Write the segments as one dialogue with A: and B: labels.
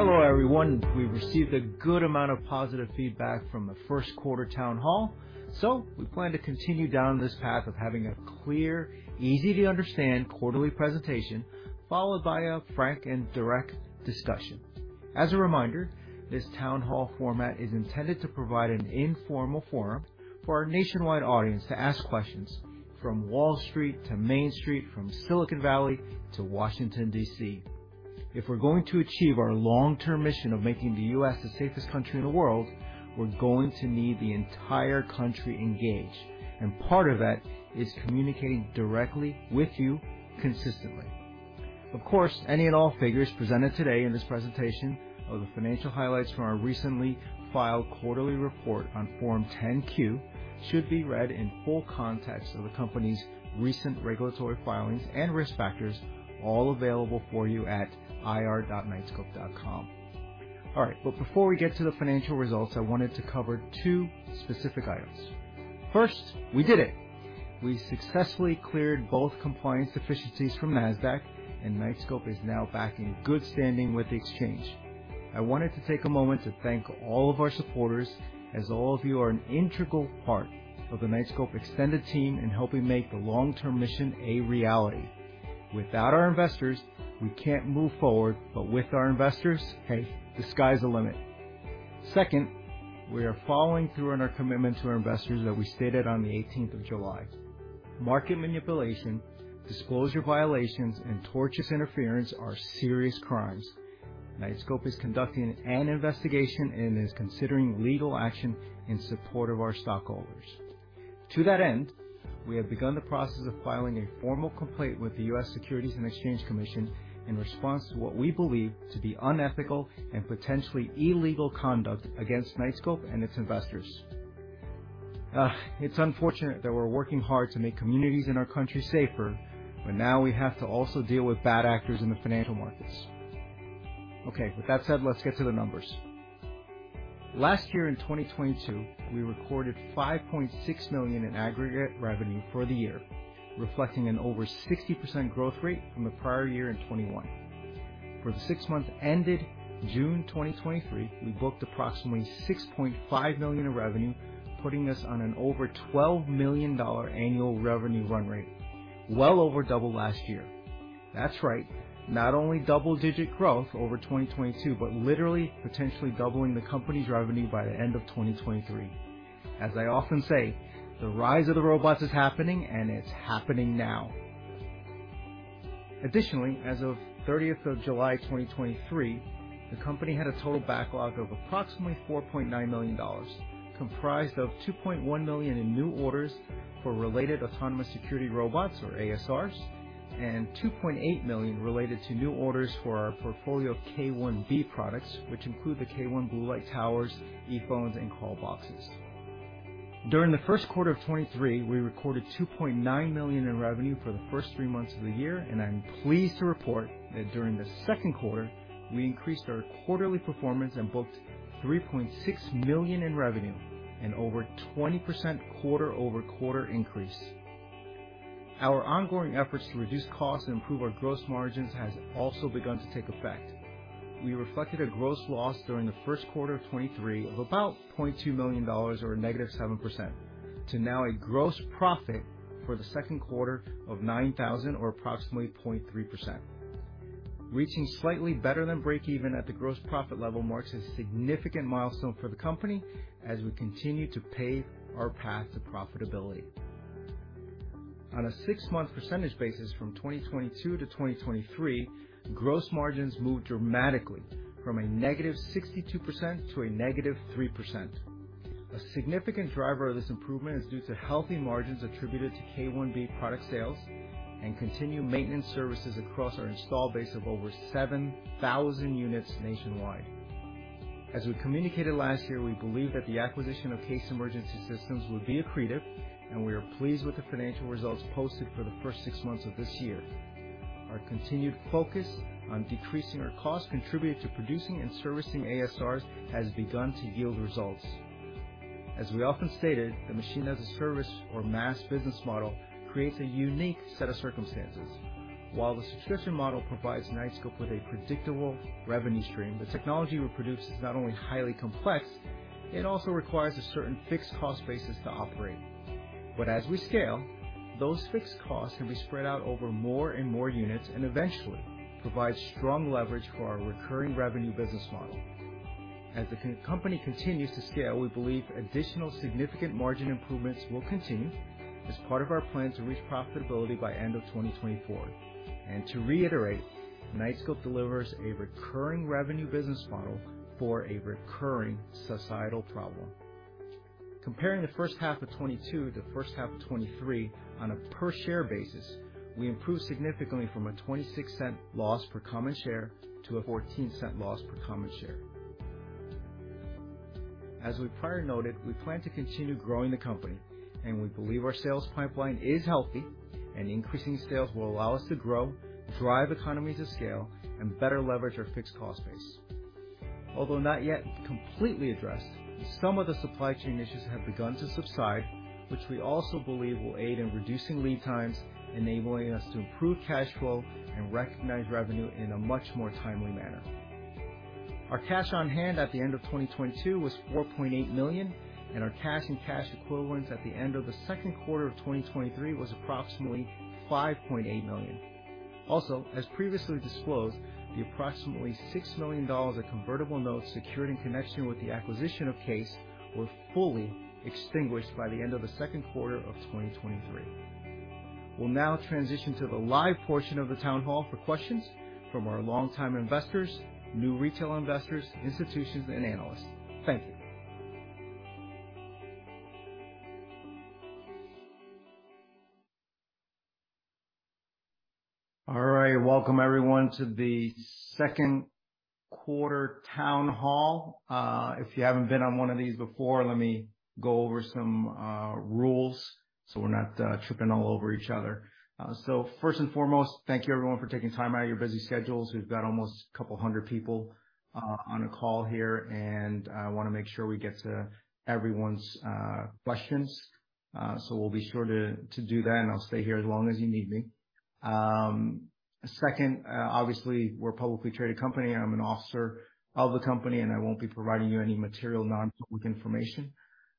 A: Hello, everyone. We've received a good amount of positive feedback from the first quarter town hall. We plan to continue down this path of having a clear, easy to understand quarterly presentation, followed by a frank and direct discussion. As a reminder, this town hall format is intended to provide an informal forum for our nationwide audience to ask questions from Wall Street to Main Street, from Silicon Valley to Washington, D.C. If we're going to achieve our long-term mission of making the U.S. the safest country in the world, we're going to need the entire country engaged, and part of that is communicating directly with you consistently. Of course, any at all figures presented today in this presentation or the financial highlights from our recently filed quarterly report on Form 10-Q, should be read in full context of the company's recent regulatory filings and risk factors, all available for you at ir.Knightscope.com. All right, before we get to the financial results, I wanted to cover two specific items. First, we did it! We successfully cleared both compliance deficiencies from Nasdaq, Knightscope is now back in good standing with the exchange. I wanted to take a moment to thank all of our supporters, as all of you are an integral part of the Knightscope extended team in helping make the long-term mission a reality. Without our investors, we can't move forward, with our investors, hey, the sky's the limit. We are following through on our commitment to our investors that we stated on the 18th of July. Market manipulation, disclosure violations, and tortious interference are serious crimes. Knightscope is conducting an investigation and is considering legal action in support of our stockholders. To that end, we have begun the process of filing a formal complaint with the U.S. Securities and Exchange Commission in response to what we believe to be unethical and potentially illegal conduct against Knightscope and its investors. Ugh! It's unfortunate that we're working hard to make communities in our country safer, now we have to also deal with bad actors in the financial markets. With that said, let's get to the numbers. Last year, in 2022, we recorded $5.6 million in aggregate revenue for the year, reflecting an over 60% growth rate from the prior year in 2021. For the six months ended June 2023, we booked approximately $6.5 million in revenue, putting us on an over $12 million annual revenue run rate, well over double last year. That's right. Not only double-digit growth over 2022, but literally potentially doubling the company's revenue by the end of 2023. As I often say, the rise of the robots is happening, and it's happening now. As of 30th of July, 2023, the company had a total backlog of approximately $4.9 million, comprised of $2.1 million in new orders for related autonomous security robots or ASRs, and $2.8 million related to new orders for our portfolio of K1B products, which include the K1 Blue Light Towers, E-Phones, and Call Boxes. During the first quarter of 2023, we recorded $2.9 million in revenue for the first 3 months of the year, I'm pleased to report that during the second quarter, we increased our quarterly performance and booked $3.6 million in revenue and over 20% quarter-over-quarter increase. Our ongoing efforts to reduce costs and improve our gross margins has also begun to take effect. We reflected a gross loss during the first quarter of 2023 of about $0.2 million or a negative 7%, to now a gross profit for the second quarter of $9,000 or approximately 0.3%. Reaching slightly better than breakeven at the gross profit level marks a significant milestone for the company as we continue to pave our path to profitability. On a six-month percentage basis from 2022 to 2023, gross margins moved dramatically from a negative 62% to a negative 3%. A significant driver of this improvement is due to healthy margins attributed to K1B product sales and continued maintenance services across our installed base of over 7,000 units nationwide. As we communicated last year, we believe that the acquisition of CASE Emergency Systems will be accretive, and we are pleased with the financial results posted for the first six months of this year. Our continued focus on decreasing our costs contributed to producing and servicing ASRs has begun to yield results. As we often stated, the Machine as a Service or MaaS business model creates a unique set of circumstances. While the subscription model provides Knightscope with a predictable revenue stream, the technology we produce is not only highly complex, it also requires a certain fixed cost basis to operate. As we scale, those fixed costs can be spread out over more and more units and eventually provide strong leverage for our recurring revenue business model. As the company continues to scale, we believe additional significant margin improvements will continue as part of our plan to reach profitability by end of 2024. To reiterate, Knightscope delivers a recurring revenue business model for a recurring societal problem. Comparing the first half of 2022 to the first half of 2023 on a per-share basis, we improved significantly from a $0.26 loss per common share to a $0.14 loss per common share. As we prior noted, we plan to continue growing the company, and we believe our sales pipeline is healthy, and increasing sales will allow us to grow, drive economies of scale, and better leverage our fixed cost base. Although not yet completely addressed, some of the supply chain issues have begun to subside, which we also believe will aid in reducing lead times, enabling us to improve cash flow and recognize revenue in a much more timely manner. Our cash on hand at the end of 2022 was $4.8 million, and our cash and cash equivalents at the end of the second quarter of 2023 was approximately $5.8 million. Also, as previously disclosed, the approximately $6 million of convertible notes secured in connection with the acquisition of CASE were fully extinguished by the end of the second quarter of 2023. We'll now transition to the live portion of the town hall for questions from our longtime investors, new retail investors, institutions, and analysts. Thank you. All right. Welcome, everyone, to the second quarter town hall. If you haven't been on one of these before, let me go over some rules, so we're not tripping all over each other. First and foremost, thank you everyone for taking time out of your busy schedules. We've got almost 200 people on the call here, I wanna make sure we get to everyone's questions. We'll be sure to do that, I'll stay here as long as you need me. Second, obviously, we're a publicly traded company. I'm an officer of the company, I won't be providing you any material non-public information.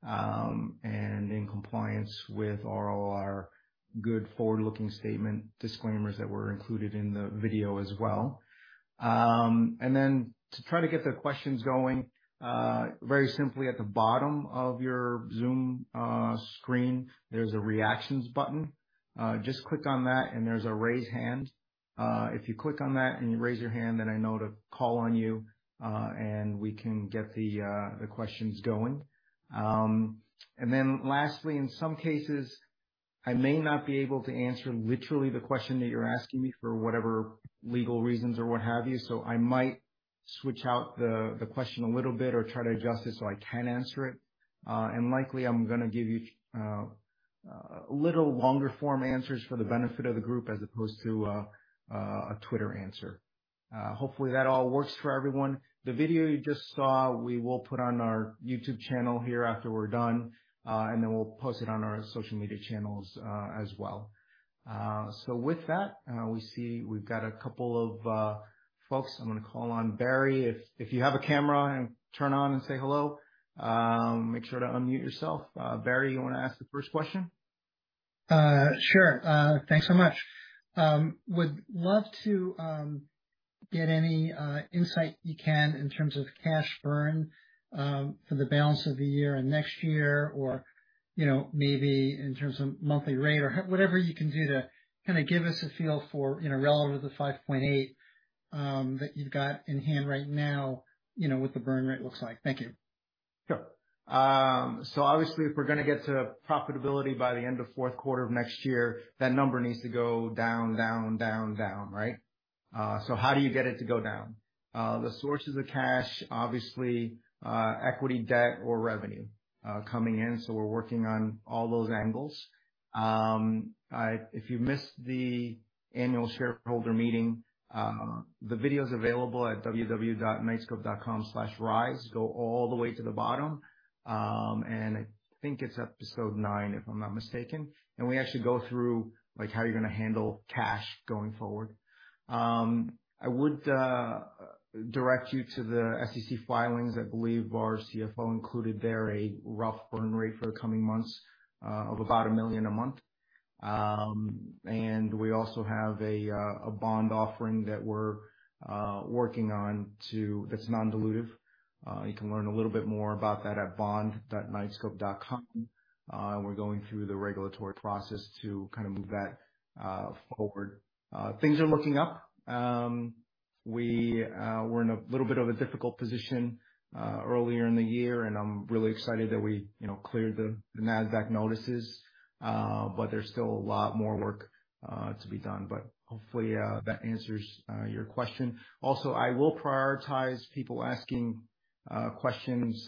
A: In compliance with all our good forward-looking statement disclaimers that were included in the video as well. Then to try to get the questions going, very simply, at the bottom of your Zoom screen, there's a reactions button. Just click on that, and there's a Raise Hand. If you click on that and you raise your hand, then I know to call on you, and we can get the questions going. Lastly, in some cases, I may not be able to answer literally the question that you're asking me for whatever legal reasons or what have you, so I might switch out the question a little bit or try to adjust it so I can answer it. Likely, I'm gonna give you little longer form answers for the benefit of the group as opposed to a Twitter answer. Hopefully, that all works for everyone. The video you just saw, we will put on our YouTube channel here after we're done, and then we'll post it on our social media channels as well. With that, we see we've got a couple of folks. I'm gonna call on Barry. If you have a camera and turn on and say hello, make sure to unmute yourself. Barry, you want to ask the first question?
B: Sure. Thanks so much. Would love to get any insight you can in terms of cash burn for the balance of the year and next year, or, you know, maybe in terms of monthly rate or whatever you can do to kind of give us a feel for, you know, relative to the $5.8 that you've got in hand right now, you know, what the burn rate looks like? Thank you.
A: Sure. Obviously, if we're gonna get to profitability by the end of fourth quarter of next year, that number needs to go down, down, down, down, right? How do you get it to go down? The sources of cash, obviously, equity, debt, or revenue, coming in, so we're working on all those angles. If you missed the annual shareholder meeting, the video is available at www.knightscope.com/rise. Go all the way to the bottom. I think it's episode nine, if I'm not mistaken, and we actually go through, like, how you're gonna handle cash going forward. I would direct you to the SEC filings. I believe our CFO included there a rough burn rate for the coming months, of about $1 million a month. We also have a bond offering that we're working on to... That's non-dilutive. You can learn a little bit more about that at bond.Knightscope.com. We're going through the regulatory process to kind of move that forward. Things are looking up. We were in a little bit of a difficult position earlier in the year, and I'm really excited that we, you know, cleared the Nasdaq notices, but there's still a lot more work to be done. Hopefully, that answers your question. Also, I will prioritize people asking questions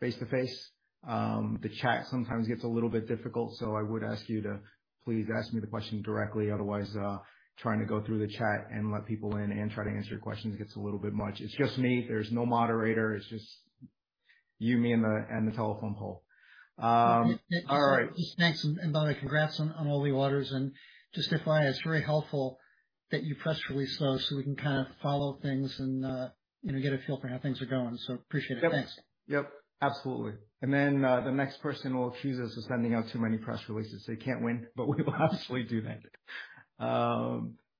A: face-to-face. The chat sometimes gets a little bit difficult, so I would ask you to please ask me the question directly. Otherwise, trying to go through the chat and let people in and try to answer your questions gets a little bit much. It's just me. There's no moderator. It's just you, me, and the, and the telephone pole. All right.
B: Thanks. And by the way, congrats on, on all the orders, and just to clarify, it's very helpful that you press release those, so we can kind of follow things and, you know, get a feel for how things are going. Appreciate it. Thanks.
A: Yep. Absolutely. Then, the next person will accuse us of sending out too many press releases, so you can't win, but we will obviously do that.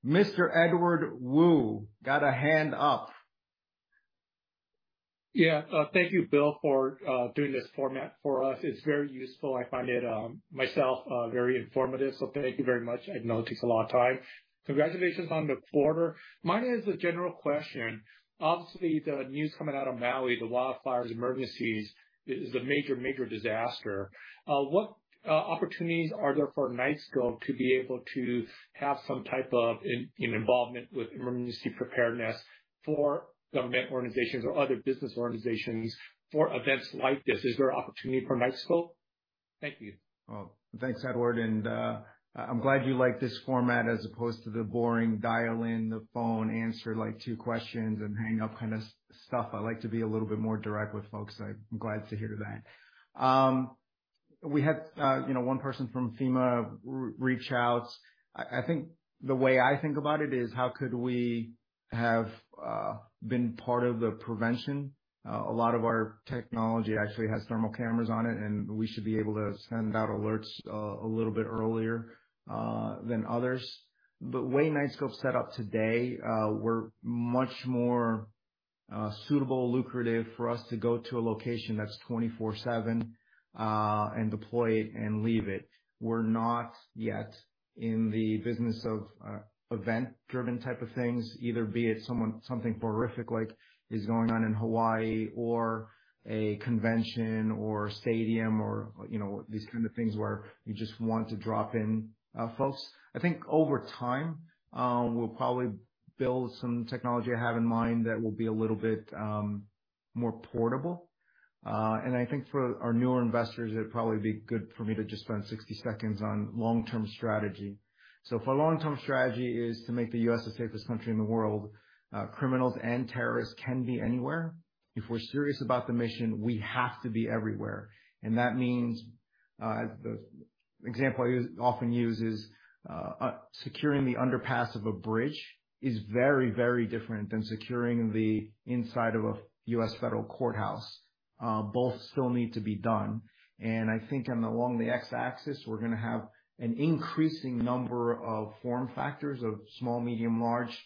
A: Mr. Edward Wu got a hand up.
C: Thank you, Bill, for doing this format for us. It's very useful. I find it myself very informative, so thank you very much. I know it takes a lot of time. Congratulations on the quarter. Mine is a general question. Obviously, the news coming out of Maui, the wildfires, emergencies, is a major, major disaster. What opportunities are there for Knightscope to be able to have some type of in, in involvement with emergency preparedness for government organizations or other business organizations for events like this? Is there opportunity for Knightscope? Thank you.
A: Well, thanks, Edward, I'm glad you like this format as opposed to the boring dial-in, the phone answer, like, two questions and hang up kind of stuff. I like to be a little bit more direct with folks. I- I'm glad to hear that. We had, you know, one person from FEMA reach out. I, I think the way I think about it is, how could we have been part of the prevention? A lot of our technology actually has thermal cameras on it, and we should be able to send out alerts a little bit earlier than others. The way Knightscope's set up today, we're much more suitable, lucrative for us to go to a location that's 24/7 and deploy it and leave it. We're not yet in the business of event-driven type of things, either be it someone- something horrific like is going on in Hawaii or a convention or stadium or, you know, these kind of things where you just want to drop in folks. I think over time, we'll probably build some technology I have in mind that will be a little bit more portable. And I think for our newer investors, it'd probably be good for me to just spend 60 seconds on long-term strategy. If our long-term strategy is to make the U.S. the safest country in the world, criminals and terrorists can be anywhere. If we're serious about the mission, we have to be everywhere, and that means the example I use, often use is, securing the underpass of a bridge is very, very different than securing the inside of a U.S. federal courthouse. Both still need to be done. I think on along the x-axis, we're gonna have an increasing number of form factors of small, medium, large,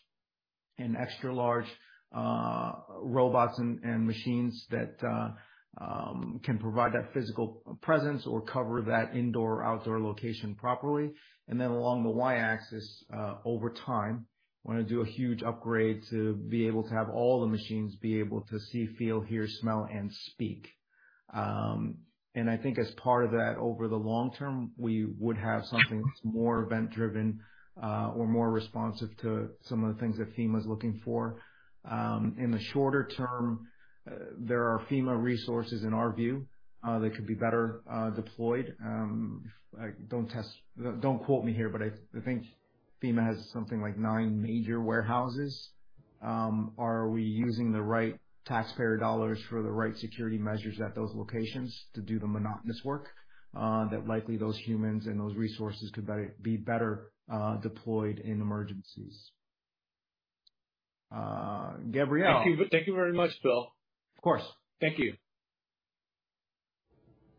A: and extra large robots and machines that can provide that physical presence or cover that indoor, outdoor location properly. Along the y-axis, over time, wanna do a huge upgrade to be able to have all the machines be able to see, feel, hear, smell, and speak. I think as part of that, over the long term, we would have something that's more event-driven, or more responsive to some of the things that FEMA's looking for. In the shorter term, there are FEMA resources in our view, that could be better, deployed. Don't quote me here, but I, I think FEMA has something like 9 major warehouses. Are we using the right taxpayer dollars for the right security measures at those locations to do the monotonous work, that likely those humans and those resources could better, be better, deployed in emergencies? Gabriel.
C: Thank you. Thank you very much, Bill.
A: Of course.
C: Thank you.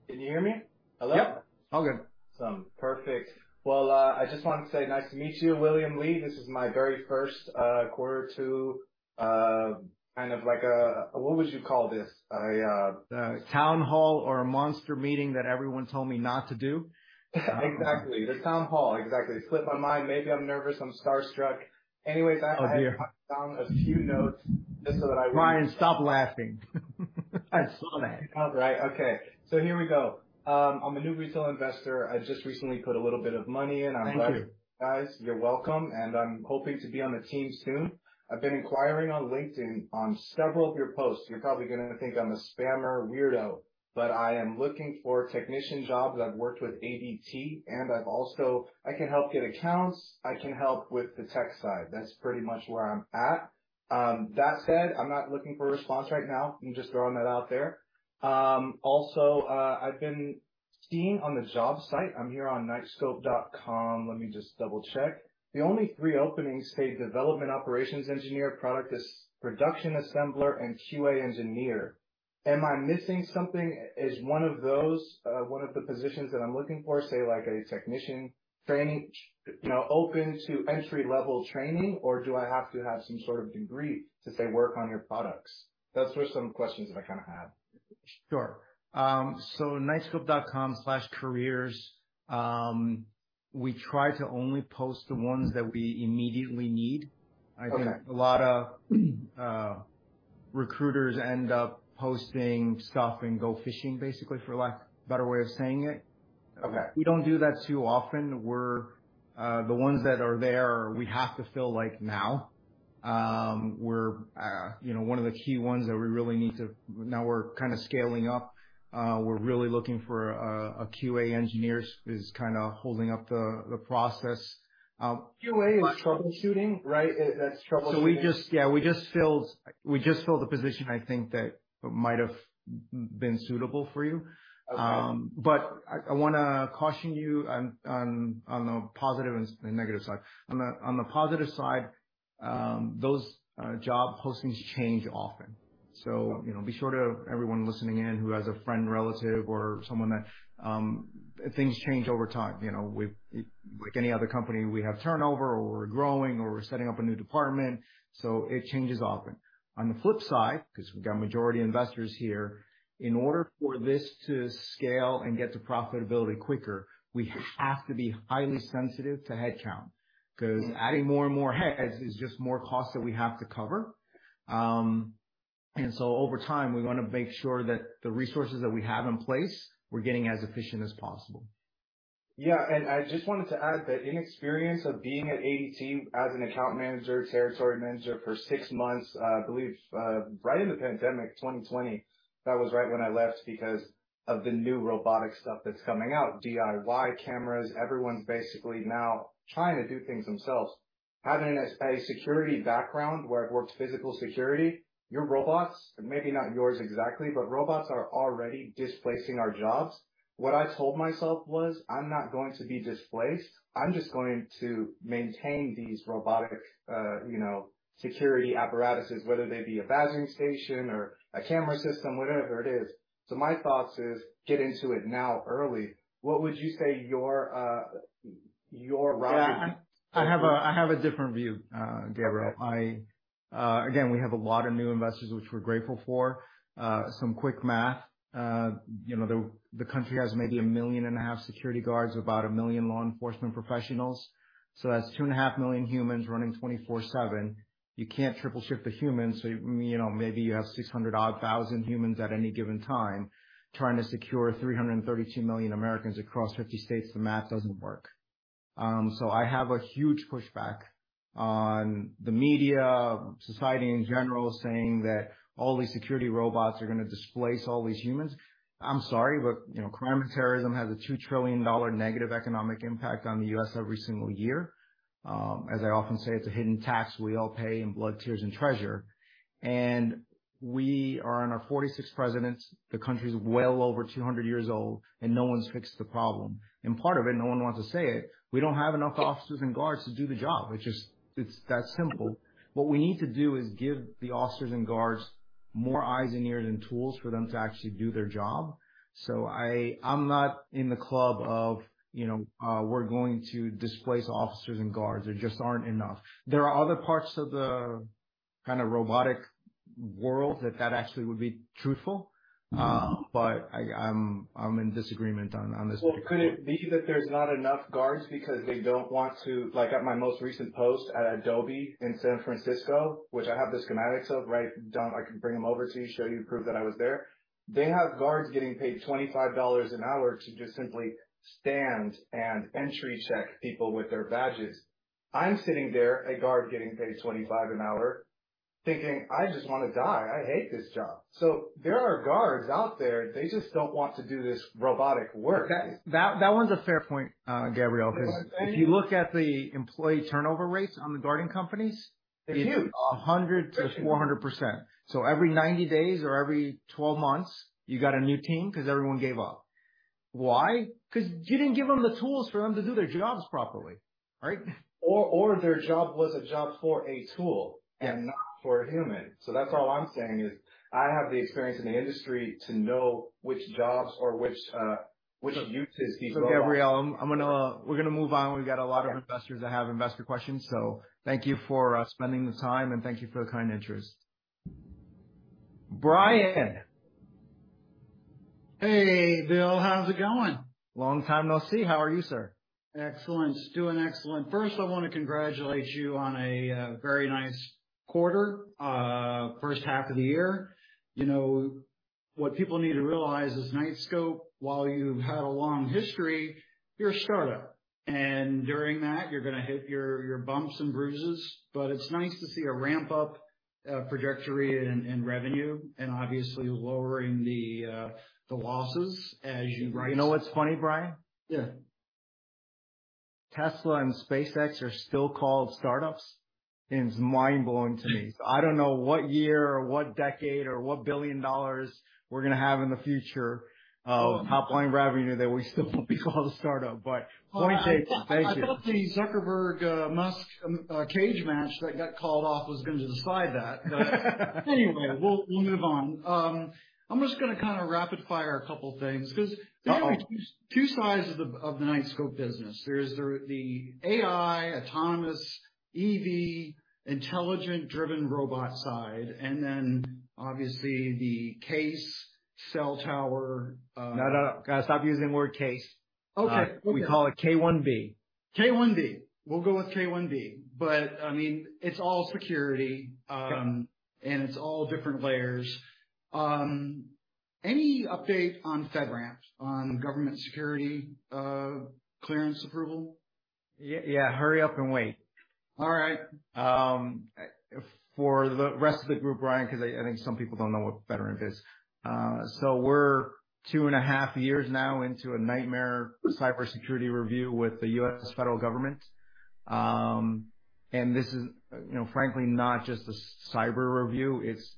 D: Can you hear me? Hello?
A: Yep. All good.
D: Perfect. Well, I just wanted to say nice to meet you, William Li. This is my very first quarter to, kind of like, what would you call this? A Town Hall or a monster meeting that everyone told me not to do. Exactly. The Town hall. Exactly. slipped my mind. Maybe I'm nervous. I'm starstruck. Anyways, I-
A: Oh, dear.
D: found a few notes just so that I read. Brian, stop laughing. I saw that. All right. Okay. Here we go. I'm a new retail investor. I just recently put a little bit of money in.
A: Thank you.
D: I'm glad, guys. You're welcome, and I'm hoping to be on the team soon. I've been inquiring on LinkedIn on several of your posts. You're probably gonna think I'm a spammer weirdo, but I am looking for a technician job that I've worked with ADT, and I've also, I can help get accounts. I can help with the tech side. That's pretty much where I'm at. That said, I'm not looking for a response right now. I'm just throwing that out there. Also, I've been seeing on the job site, I'm here on Knightscope.com. Let me just double-check. The only three openings say Development Operations Engineer, Production Assembler, and QA Engineer. Am I missing something? Is one of those, one of the positions that I'm looking for, say, like a technician training, you know, open to entry-level training, or do I have to have some sort of degree to, say, work on your products? That's just some questions that I kind of have.
A: Sure. Knightscope.com/careers, we try to only post the ones that we immediately need.
D: Okay.
A: I think a lot of recruiters end up posting stuff and go fishing, basically, for lack of a better way of saying it.
D: Okay.
A: We don't do that too often. We're the ones that are there, we have to fill, like, now. We're, you know, one of the key ones that we really need to... Now we're kind of scaling up. We're really looking for a QA engineer is, is kinda holding up the, the process.
D: Q.A. is troubleshooting, right? That's troubleshooting.
A: We just, Yeah, we just filled, we just filled a position I think that might have been suitable for you.
D: Okay.
A: I wanna caution you on the positive and negative side. On the positive side, those job postings change often. You know, be sure to everyone listening in who has a friend, relative or someone that, things change over time. You know, we, like any other company, we have turnover, or we're growing, or we're setting up a new department, so it changes often. On the flip side, 'cause we've got majority investors here, in order for this to scale and get to profitability quicker, we have to be highly sensitive to headcount, 'cause adding more and more heads is just more cost that we have to cover. Over time, we want to make sure that the resources that we have in place, we're getting as efficient as possible....
D: I just wanted to add that in experience of being at ADT as an account manager, territory manager for six months, I believe, right in the pandemic, 2020. That was right when I left, because of the new robotic stuff that's coming out, DIY cameras, everyone's basically now trying to do things themselves. Having a security background where I've worked physical security, your robots, maybe not yours exactly, but robots are already displacing our jobs. What I told myself was, "I'm not going to be displaced. I'm just going to maintain these robotic, you know, security apparatuses, whether they be a badging station or a camera system, whatever it is." My thoughts is, get into it now early. What would you say your
A: Yeah, I, I have a, I have a different view, Gabriel.
D: Okay.
A: I. Again, we have a lot of new investors, which we're grateful for. Some quick math. You know, the, the country has maybe 1.5 million security guards, about 1 million law enforcement professionals, so that's 2.5 million humans running 24/7. You can't triple shift the humans, so, you know, maybe you have 600,000 humans at any given time trying to secure 332 million Americans across 50 states. The math doesn't work. I have a huge pushback on the media, society in general, saying that all these security robots are going to displace all these humans. I'm sorry, but, you know, crime and terrorism has a $2 trillion negative economic impact on the U.S. every single year. As I often say, it's a hidden tax we all pay in blood, tears, and treasure. We are on our 46 presidents, the country's well over 200 years old, and no one's fixed the problem. Part of it, no one wants to say it, we don't have enough officers and guards to do the job, which is, it's that simple. What we need to do is give the officers and guards more eyes and ears and tools for them to actually do their job. I, I'm not in the club of, you know, we're going to displace officers and guards. There just aren't enough. There are other parts of the kind of robotic world that, that actually would be truthful. I, I'm, I'm in disagreement on, on this one.
D: Couldn't it be that there's not enough guards because they don't want to-- Like, at my most recent post at Adobe in San Francisco, which I have the schematics of, right? Don, I can bring them over to you, show you proof that I was there. They have guards getting paid $25 an hour to just simply stand and entry check people with their badges. I'm sitting there, a guard getting paid $25 an hour, thinking, "I just want to die. I hate this job." There are guards out there, they just don't want to do this robotic work.
A: That, that, that one's a fair point, Gabriel-
D: Thank you.
A: 'cause if you look at the employee turnover rates on the guarding companies-
D: It's huge!
A: 100 to 400%. Every 90 days or every 12 months, you got a new team because everyone gave up. Why? Because you didn't give them the tools for them to do their jobs properly, right?
D: or their job was a job for a tool.
A: Yeah.
D: not for a human. That's all I'm saying is, I have the experience in the industry to know which jobs or which, which uses these-
A: Gabriel, I'm gonna, we're gonna move on. We've got a lot of investors that have investor questions. Thank you for spending the time, and thank you for the kind interest. Brian!
E: Hey, Bill. How's it going?
A: Long time no see. How are you, sir?
E: Excellent. Doing excellent. First, I want to congratulate you on a very nice quarter, first half of the year. You know, what people need to realize is Knightscope, while you've had a long history, you're a startup, and during that, you're going to hit your, your bumps and bruises, but it's nice to see a ramp-up trajectory in revenue and obviously lowering the losses as you rise.
A: You know what's funny, Brian?
E: Yeah.
A: Tesla and SpaceX are still called startups. It's mind-blowing to me. I don't know what year or what decade or what $1 billion we're going to have in the future of top-line revenue that we still will be called a startup. Point taken. Thank you.
E: I thought the Zuckerberg, Musk, cage match that got called off was going to decide that. Anyway, we'll, we'll move on. I'm just going to kind of rapid fire a couple things-
A: Okay.
E: because there are two, two sides of the, of the Knightscope business. There's the, the AI, autonomous, EV, intelligent-driven robot side, and then obviously the case, cell tower,
A: No, no. Gotta stop using the word Case.
E: Okay.
A: We call it K1B.
E: K1B. We'll go with K1B, but, I mean, it's all security.
A: Yep.
E: It's all different layers. Any update on FedRAMP, on government security, clearance approval?
A: Yeah, yeah. Hurry up and wait.
E: All right.
A: For the rest of the group, Brian, 'cause I, I think some people don't know what FedRAMP is. We're 2.5 years now into a nightmare cybersecurity review with the U.S. federal government. This is, you know, frankly, not just a cyber review, it's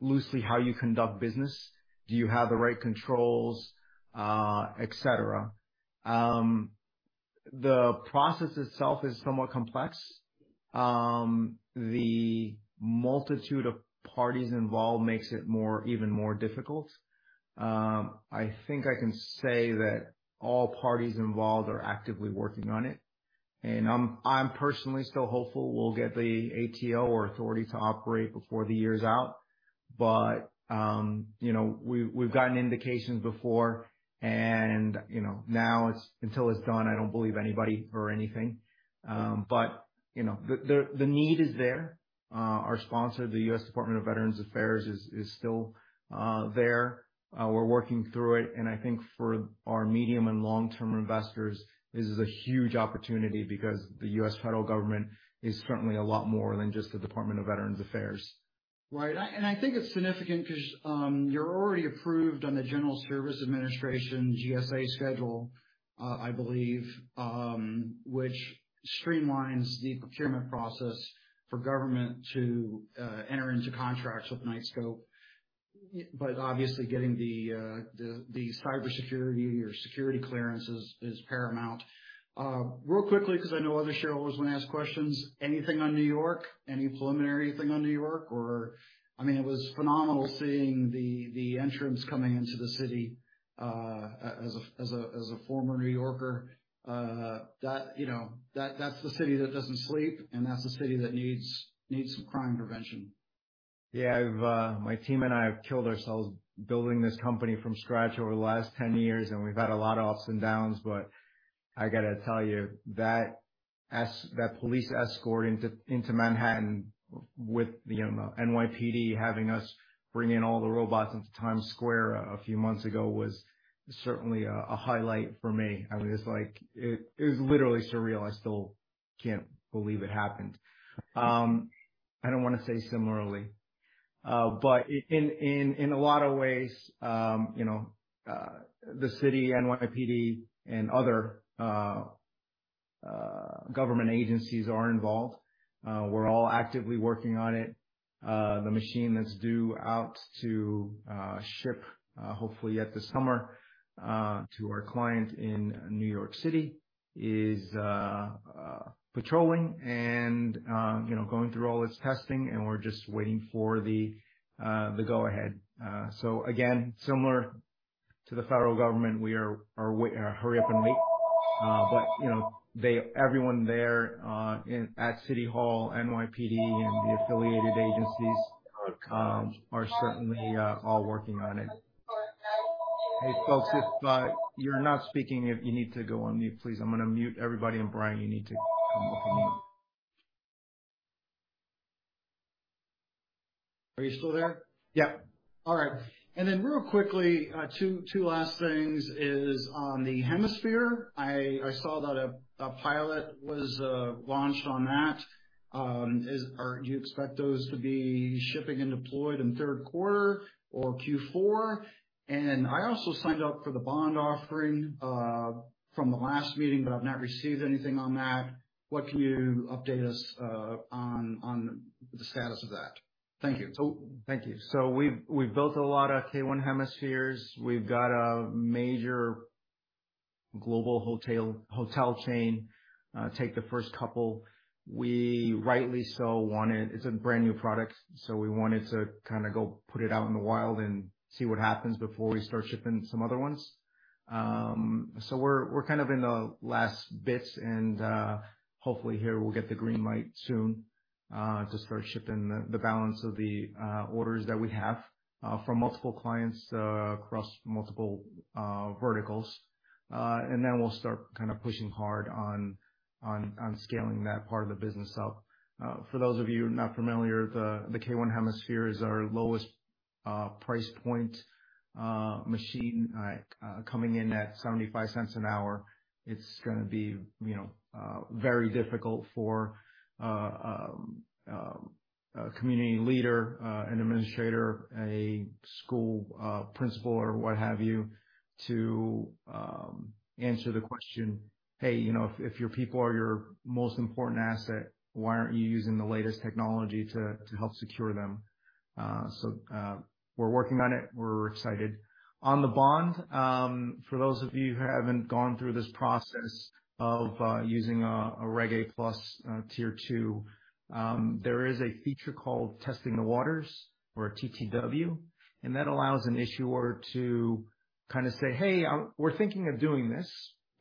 A: loosely how you conduct business. Do you have the right controls, et cetera? The process itself is somewhat complex. The multitude of parties involved makes it more, even more difficult. I think I can say that all parties involved are actively working on it, and I'm, I'm personally still hopeful we'll get the ATO or authority to operate before the year's out. You know, we've, we've gotten indications before and, you know, until it's done, I don't believe anybody or anything. You know, the, the, the need is there. Our sponsor, the U.S. Department of Veterans Affairs, is, is still, there. We're working through it. I think for our medium and long-term investors, this is a huge opportunity because the U.S. federal government is certainly a lot more than just the Department of Veterans Affairs.
E: Right. I, and I think it's significant 'cause, you're already approved on the General Services Administration, GSA Schedule, I believe, which streamlines the procurement process for government to enter into contracts with Knightscope. Obviously, getting the, the, the cybersecurity or security clearances is paramount. Real quickly, 'cause I know other shareholders want to ask questions, anything on New York? Any preliminary thing on New York? I mean, it was phenomenal seeing the, the entrance coming into the city, as a, as a, as a former New Yorker, that, you know, that, that's the city that doesn't sleep, and that's the city that needs, needs some crime prevention.
A: Yeah. I've, my team and I have killed ourselves building this company from scratch over the last 10 years, and we've had a lot of ups and downs, but I gotta tell you that that police escort into, into Manhattan with the NYPD having us bring in all the robots into Times Square a few months ago was certainly a, a highlight for me. I mean, it's like. It, it was literally surreal. I still can't believe it happened. I don't wanna say similarly, but in, in, in a lot of ways, you know, the city, NYPD and other government agencies are involved. We're all actively working on it. The machine that's due out to ship hopefully yet this summer to our client in New York City, is patrolling and, you know, going through all its testing, and we're just waiting for the go ahead. Again, similar to the federal government, we are, are wa- hurry up and wait. You know, they- everyone there in- at City Hall, NYPD and the affiliated agencies, are certainly all working on it. Hey, folks, if you're not speaking, if you need to go on mute, please. I'm gonna mute everybody, and Brian, you need to come off the mute.
E: Are you still there?
A: Yeah.
E: All right. Then real quickly, two last things is on the Hemisphere. I saw that a pilot was launched on that. Do you expect those to be shipping and deployed in third quarter or Q4? I also signed up for the bond offering, from the last meeting, but I've not received anything on that. What can you update us on the status of that? Thank you.
A: Thank you. We've, we've built a lot of K1 Hemispheres. We've got a major global hotel, hotel chain, take the first couple. It's a brand new product, so we wanted to kind of go put it out in the wild and see what happens before we start shipping some other ones. We're, we're kind of in the last bits and, hopefully here we'll get the green light soon to start shipping the, the balance of the orders that we have from multiple clients across multiple verticals. Then we'll start kind of pushing hard on, on, on scaling that part of the business out. For those of you not familiar, the, the K1 Hemisphere is our lowest price point machine coming in at $0.75 an hour. It's gonna be, you know, very difficult for a community leader, an administrator, a school principal, or what have you, to answer the question: Hey, you know, if, if your people are your most important asset, why aren't you using the latest technology to help secure them? So, we're working on it. We're excited. On the bond, for those of you who haven't gone through this process of using a Reg A+ Tier 2, there is a feature called Testing the Waters, or a TTW, and that allows an issuer to kind of say, "Hey, we're thinking of doing this.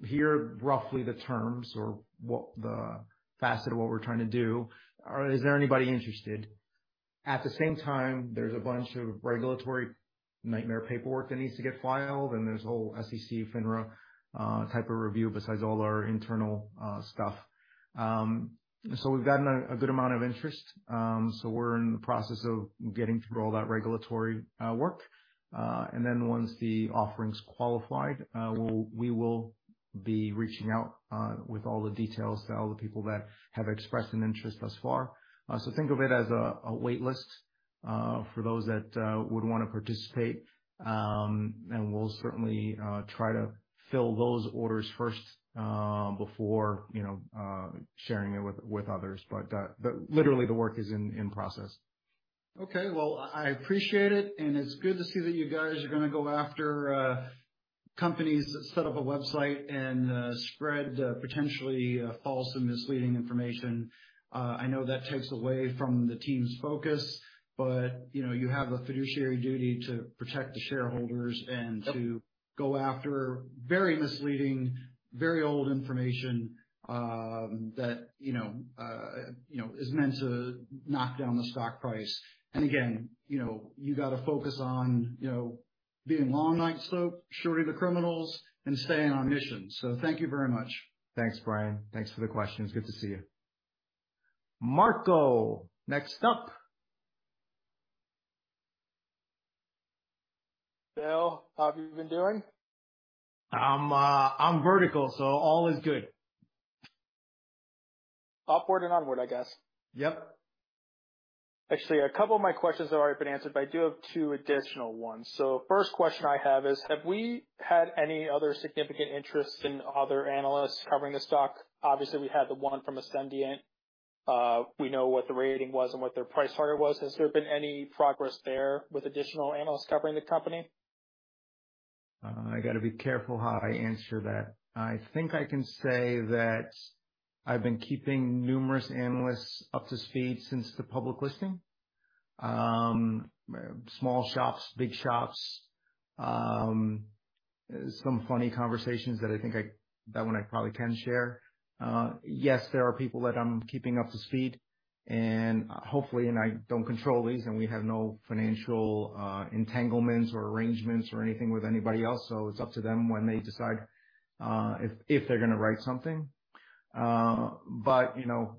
A: Here are roughly the terms or what the facet of what we're trying to do. Is there anybody interested?" At the same time, there's a bunch of regulatory nightmare paperwork that needs to get filed, and there's a whole SEC, FINRA type of review, besides all our internal stuff. We've gotten a good amount of interest. We're in the process of getting through all that regulatory work. Then once the offering's qualified, we'll, we will be reaching out with all the details to all the people that have expressed an interest thus far. Think of it as a wait list for those that would want to participate. And we'll certainly try to fill those orders first before, you know, sharing it with, with others. Literally, the work is in, in process.
E: Okay, well, I appreciate it. It's good to see that you guys are gonna go after companies that set up a website and spread potentially false and misleading information. I know that takes away from the team's focus, but, you know, you have a fiduciary duty to protect the shareholders...
A: Yep.
E: to go after very misleading, very old information, that, you know, you know, is meant to knock down the stock price. Again, you know, you gotta focus on, you know, being long Knightscope, shorting the criminals, and staying on mission. Thank you very much.
A: Thanks, Brian. Thanks for the questions. Good to see you. Marco, next up.
F: Bill, how have you been doing?
A: I'm, I'm vertical, so all is good.
F: Upward and onward, I guess.
A: Yep.
F: Actually, a couple of my questions have already been answered. I do have two additional ones. First question I have is, have we had any other significant interest in other analysts covering the stock? Obviously, we had the one from Ascendiant. We know what the rating was and what their price target was. Has there been any progress there with additional analysts covering the company?
A: I got to be careful how I answer that. I think I can say that I've been keeping numerous analysts up to speed since the public listing. Small shops, big shops, some funny conversations that I think I- that one I probably can share. Yes, there are people that I'm keeping up to speed, and hopefully, and I don't control these, and we have no financial entanglements or arrangements or anything with anybody else, so it's up to them when they decide if, if they're going to write something. You know,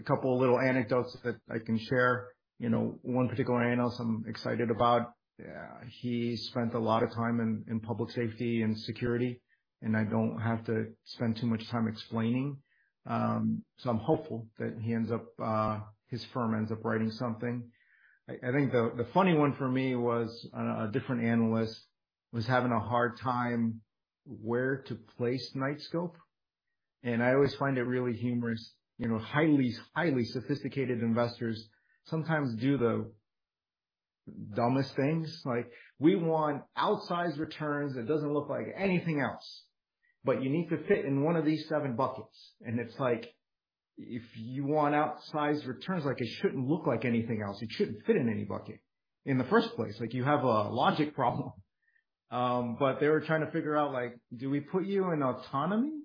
A: a couple of little anecdotes that I can share. You know, one particular analyst I'm excited about, he spent a lot of time in, in public safety and security, and I don't have to spend too much time explaining. I'm hopeful that he ends up, his firm ends up writing something. I, I think the, the funny one for me was, a different analyst was having a hard time where to place Knightscope, and I always find it really humorous. You know, highly, highly sophisticated investors sometimes do the dumbest things. Like, "We want outsized returns that doesn't look like anything else, but you need to fit in one of these seven buckets." It's like, if you want outsized returns, like, it shouldn't look like anything else. It shouldn't fit in any bucket in the first place. Like, you have a logic problem. They were trying to figure out, like, "Do we put you in autonomy?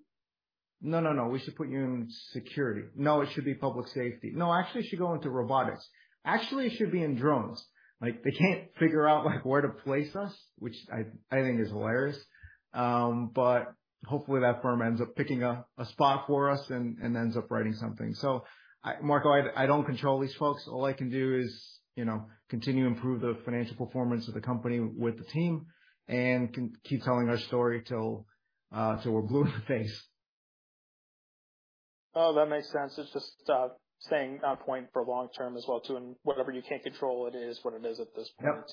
A: No, no, no. We should put you in security. No, it should be public safety. No, actually, it should go into robotics. Actually, it should be in drones." Like, they can't figure out, like, where to place us, which I, I think is hilarious. Hopefully, that firm ends up picking up a spot for us and, and ends up writing something. Marco, I, I don't control these folks. All I can do is, you know, continue to improve the financial performance of the company with the team and keep telling our story till we're blue in the face.
F: Oh, that makes sense. It's just, staying on point for long term as well, too, and whatever you can't control it is what it is at this point.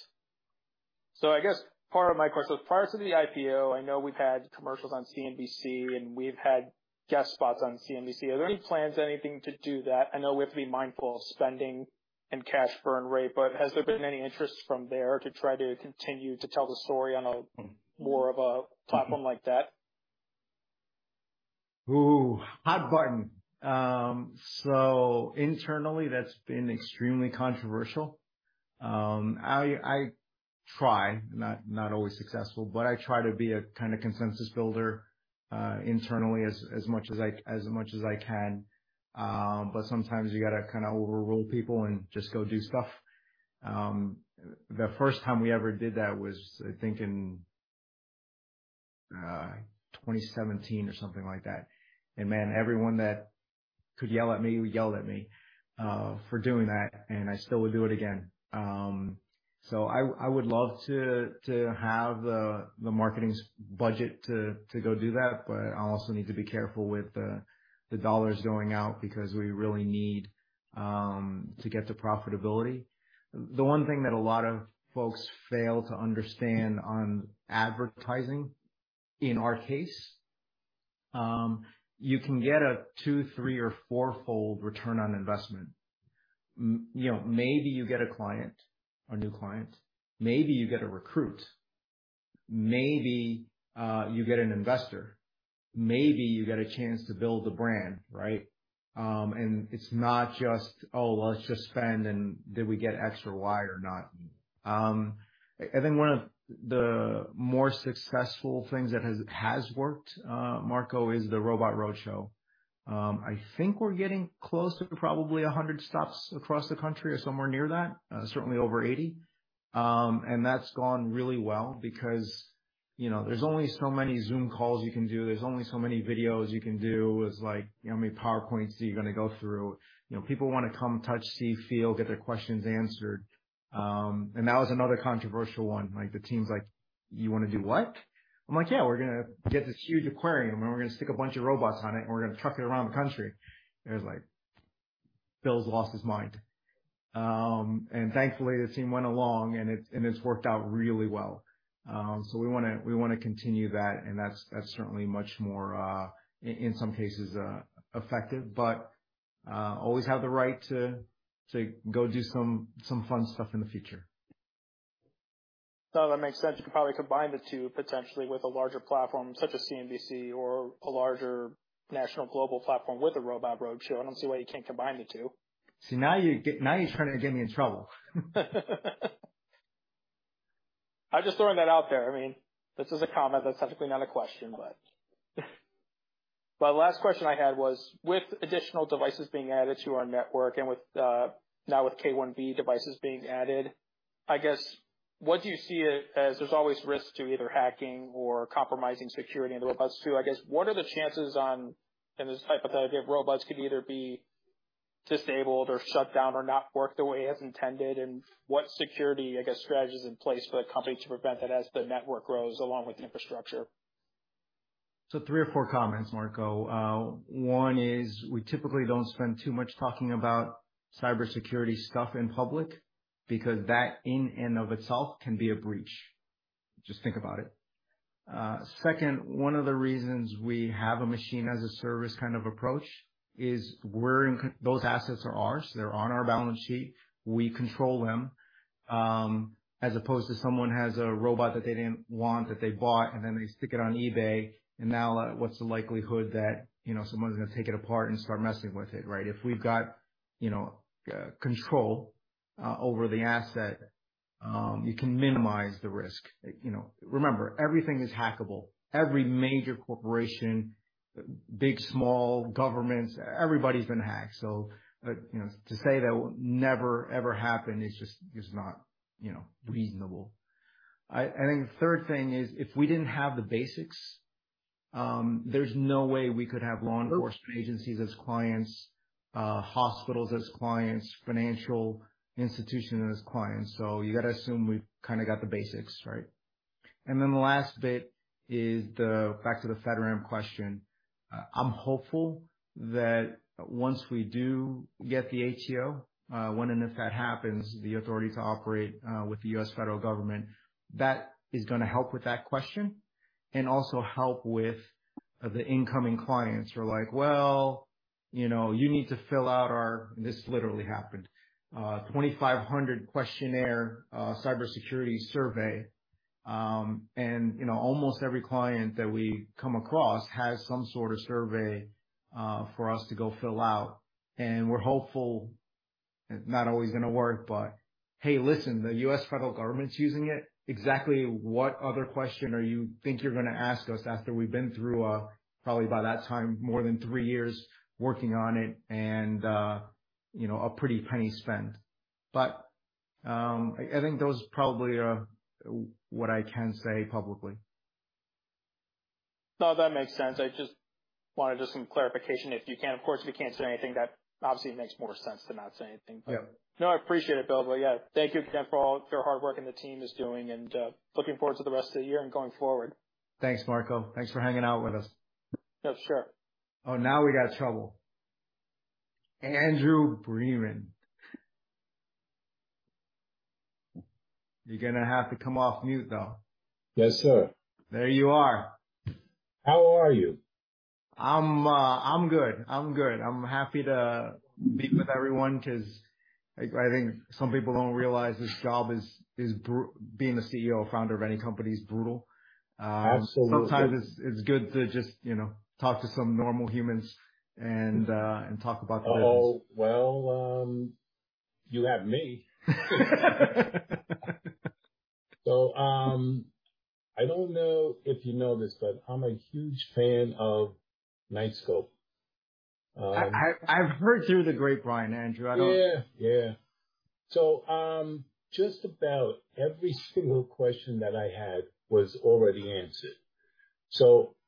A: Yep.
F: I guess part of my question, prior to the IPO, I know we've had commercials on CNBC, and we've had guest spots on CNBC. Are there any plans, anything to do that? I know we have to be mindful of spending and cash burn rate, but has there been any interest from there to try to continue to tell the story on a more of a platform like that?
A: Ooh, hot button. Internally, that's been extremely controversial. I, I try, not, not always successful, but I try to be a kind of consensus builder, internally as, as much as I, as much as I can. Sometimes you got to kind of overrule people and just go do stuff. The first time we ever did that was, I think, in 2017 or something like that. Man, everyone that could yell at me, yelled at me, for doing that, and I still would do it again. I, I would love to, to have the, the marketing's budget to, to go do that, but I also need to be careful with the dollars going out because we really need to get to profitability. The one thing that a lot of folks fail to understand on advertising, in our case, you you can get a 2, 3, or 4-fold ROI. You know, maybe you get a client, a new client, maybe you get a recruit, maybe you get an investor, maybe you get a chance to build the brand, right? It's not just, "Oh, well, let's just spend, and did we get X or Y or not?" I think one of the more successful things that has, has worked, Marco, is the Robot Roadshow. I think we're getting close to probably 100 stops across the country or somewhere near that, certainly over 80. That's gone really well because, you know, there's only so many Zoom calls you can do. There's only so many videos you can do. There's like, how many PowerPoints are you going to go through? You know, people want to come, touch, see, feel, get their questions answered. That was another controversial one. Like, the team's like: You want to do what? I'm like: Yeah, we're going to get this huge aquarium, and we're going to stick a bunch of robots on it, and we're going to truck it around the country. They was like: Bill's lost his mind. Thankfully, the team went along, and it's, and it's worked out really well. We want to, we want to continue that, and that's, that's certainly much more, in, in some cases, effective, but always have the right to, to go do some, some fun stuff in the future.
F: No, that makes sense. You could probably combine the two potentially with a larger platform, such as CNBC or a larger national global platform with a Robot Roadshow. I don't see why you can't combine the two.
A: See, now you're now you're trying to get me in trouble.
F: I'm just throwing that out there. I mean, this is a comment that's technically not a question, but. My last question I had was, with additional devices being added to our network and with, now with K1B devices being added. I guess, what do you see as there's always risk to either hacking or compromising security in the robots, too? I guess, what are the chances on, and this is hypothetical, robots could either be disabled or shut down or not work the way as intended, and what security, I guess, strategies in place for the company to prevent that as the network grows along with the infrastructure?
A: Three or four comments, Marco. One is we typically don't spend too much talking about cybersecurity stuff in public because that in and of itself can be a breach. Just think about it. Second, one of the reasons we have a Machine as a Service kind of approach is we're in con- those assets are ours, they're on our balance sheet, we control them, as opposed to someone has a robot that they didn't want, that they bought, and then they stick it on eBay, and now what's the likelihood that, you know, someone's going to take it apart and start messing with it, right? If we've got, you know, control over the asset, you can minimize the risk. You know, remember, everything is hackable. Every major corporation, big, small, governments, everybody's been hacked. You know, to say that will never, ever happen is just, is not, you know, reasonable. I, I think the third thing is, if we didn't have the basics, there's no way we could have law enforcement agencies as clients, hospitals as clients, financial institutions as clients. You got to assume we've kind of got the basics, right? The last bit is the back to the FedRAMP question. I'm hopeful that once we do get the ATO, when and if that happens, the authority to operate, with the U.S. federal government, that is going to help with that question and also help with the incoming clients who are like, "Well, you know, you need to fill out our..." This literally happened, 2,500 questionnaire, cybersecurity survey. You know, almost every client that we come across has some sort of survey, for us to go fill out, and we're hopeful it's not always going to work, but: Hey, listen, the U.S. federal government's using it. Exactly what other question are you think you're going to ask us after we've been through, probably by that time, more than three years working on it and, you know, a pretty penny spent. I, I think those probably are what I can say publicly.
F: No, that makes sense. I just wanted just some clarification, if you can. Of course, if you can't say anything, that obviously makes more sense to not say anything.
A: Yeah.
F: No, I appreciate it, Bill. Yeah, thank you again for all your hard work and the team is doing, and, looking forward to the rest of the year and going forward.
A: Thanks, Marco. Thanks for hanging out with us.
F: Yeah, sure.
A: Oh, now we got trouble. Andrew. You're gonna have to come off mute, though.
G: Yes, sir.
A: There you are.
G: How are you?
A: I'm, I'm good. I'm good. I'm happy to meet with everyone because I, I think some people don't realize this job is being a CEO or founder of any company is brutal.
G: Absolutely.
A: Sometimes it's good to just, you know, talk to some normal humans and talk about things.
G: Oh, well, you have me. I don't know if you know this, but I'm a huge fan of Knightscope.
A: I've heard you're the great Brian Andrew. I don't-
G: Yeah. Yeah. Just about every single question that I had was already answered.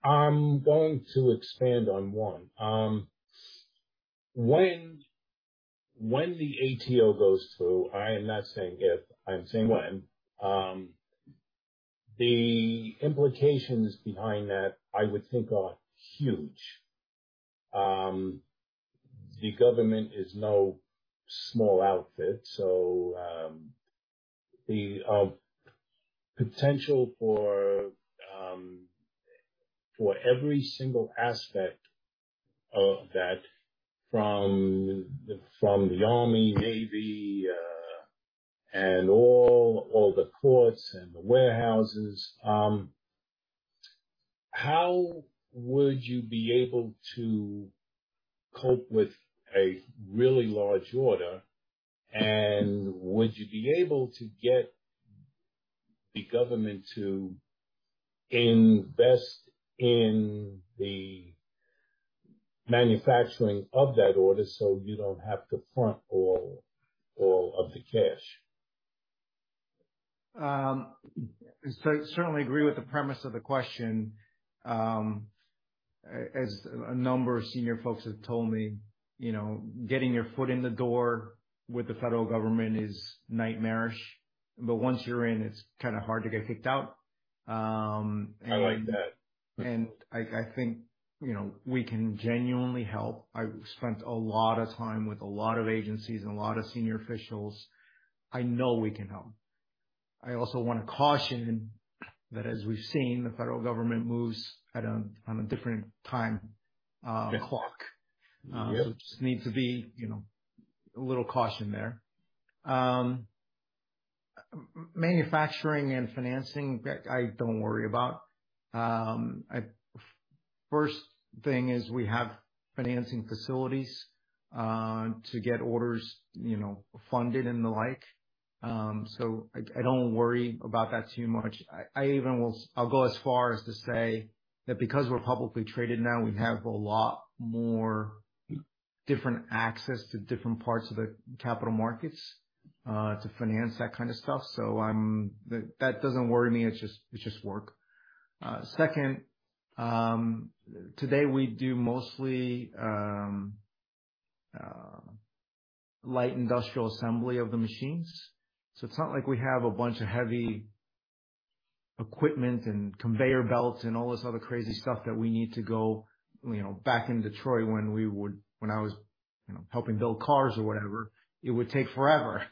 G: I'm going to expand on one. When, when the ATO goes through, I am not saying if, I'm saying when, the implications behind that, I would think, are huge. The government is no small outfit, so the potential for every single aspect of that from the Army, Navy, and all the ports and the warehouses. How would you be able to cope with a really large order? Would you be able to get the government to invest in the manufacturing of that order, so you don't have to front all of the cash?
A: Certainly agree with the premise of the question. As a number of senior folks have told me, you know, getting your foot in the door with the federal government is nightmarish, but once you're in, it's kind of hard to get kicked out.
G: I like that.
A: I think, you know, we can genuinely help. I've spent a lot of time with a lot of agencies and a lot of senior officials. I know we can help. I also want to caution that, as we've seen, the federal government moves on a different time clock.
G: Yep.
A: So just need to be, you know, a little caution there. Manufacturing and financing, I, I don't worry about. First thing is we have financing facilities to get orders, you know, funded and the like, so I, I don't worry about that too much. I, I even I'll go as far as to say that because we're publicly traded now, we have a lot more different access to different parts of the capital markets to finance that kind of stuff. I'm, that doesn't worry me. It's just, it's just work. Second, today we do mostly light industrial assembly of the machines. It's not like we have a bunch of heavy equipment and conveyor belts and all this other crazy stuff that we need to go, you know, back in Detroit, when I was, you know, helping build cars or whatever, it would take forever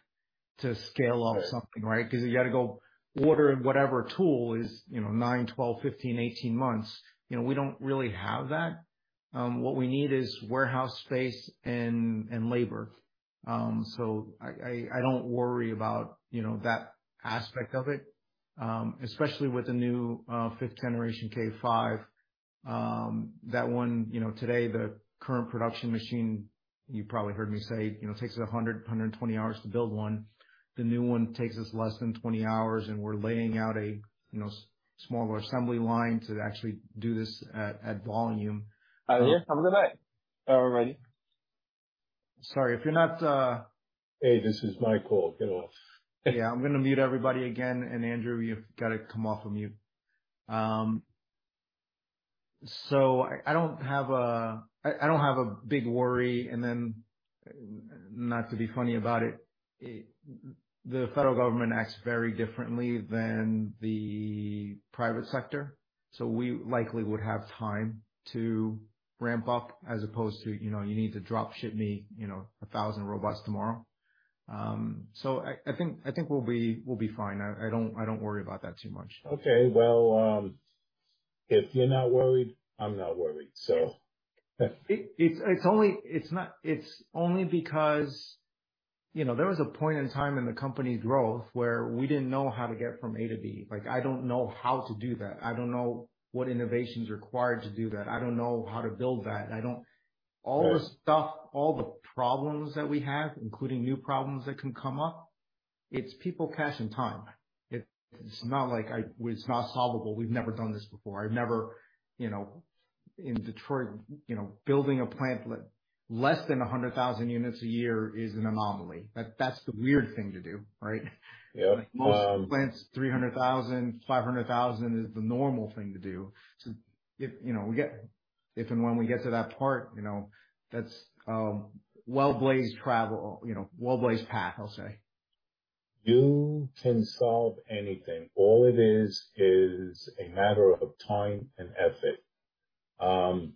A: to scale up something, right? Because you got to go order whatever tool is, you know, nine, 12, 15, 18 months. You know, we don't really have that. what we need is warehouse space and, and labor. so I, I, I don't worry about, you know, that aspect of it, especially with the new, 5th generation K5. That one, you know, today, the current production machine, you probably heard me say, you know, takes us 100, 120 hours to build one. The new one takes us less than 20 hours, and we're laying out a, you know, smaller assembly line to actually do this at, at volume.
E: Yeah, have a good night, everybody.
A: Sorry if you're not.
G: Hey, this is my call. Get off.
A: Yeah, I'm gonna mute everybody again, Andrew, you've got to come off of mute. I, I don't have a, I, I don't have a big worry. Not to be funny about it, it, the federal government acts very differently than the private sector, so we likely would have time to ramp up as opposed to, you know, you need to drop ship me, you know, 1,000 robots tomorrow. I, I think, I think we'll be, we'll be fine. I, I don't, I don't worry about that too much.
G: Okay. Well, if you're not worried, I'm not worried. So...
A: It's only because, you know, there was a point in time in the company's growth where we didn't know how to get from A to B. Like, I don't know how to do that. I don't know what innovation is required to do that. I don't know how to build that. I don't-
G: Right.
A: All the stuff, all the problems that we have, including new problems that can come up, it's people, passion, time. It's not like I, it's not solvable. We've never done this before. I've never, you know, in Detroit, you know, building a plant less than 100,000 units a year is an anomaly. That's the weird thing to do, right?
G: Yeah.
A: Most plants, 300,000, 500,000 is the normal thing to do. If, you know, if and when we get to that part, you know, that's, well-blazed travel, you know, well-blazed path, I'll say.
G: You can solve anything. All it is, is a matter of time and effort.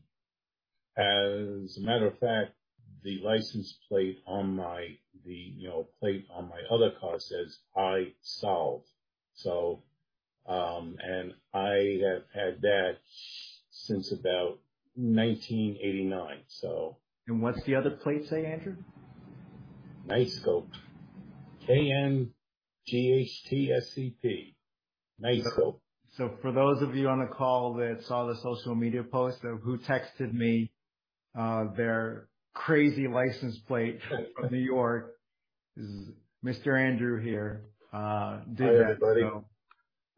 G: As a matter of fact, the license plate on my, you know, plate on my other car says, "I solve." And I have had that since about 1989.
A: what's the other plate say, Andrew?
G: Knightscope. K-N-G-H-T-S-C-O-P, Knightscope.
A: For those of you on the call that saw the social media post who texted me, their crazy license plate from New York, this is Mr. Andrew here, did that.
G: Hi, everybody.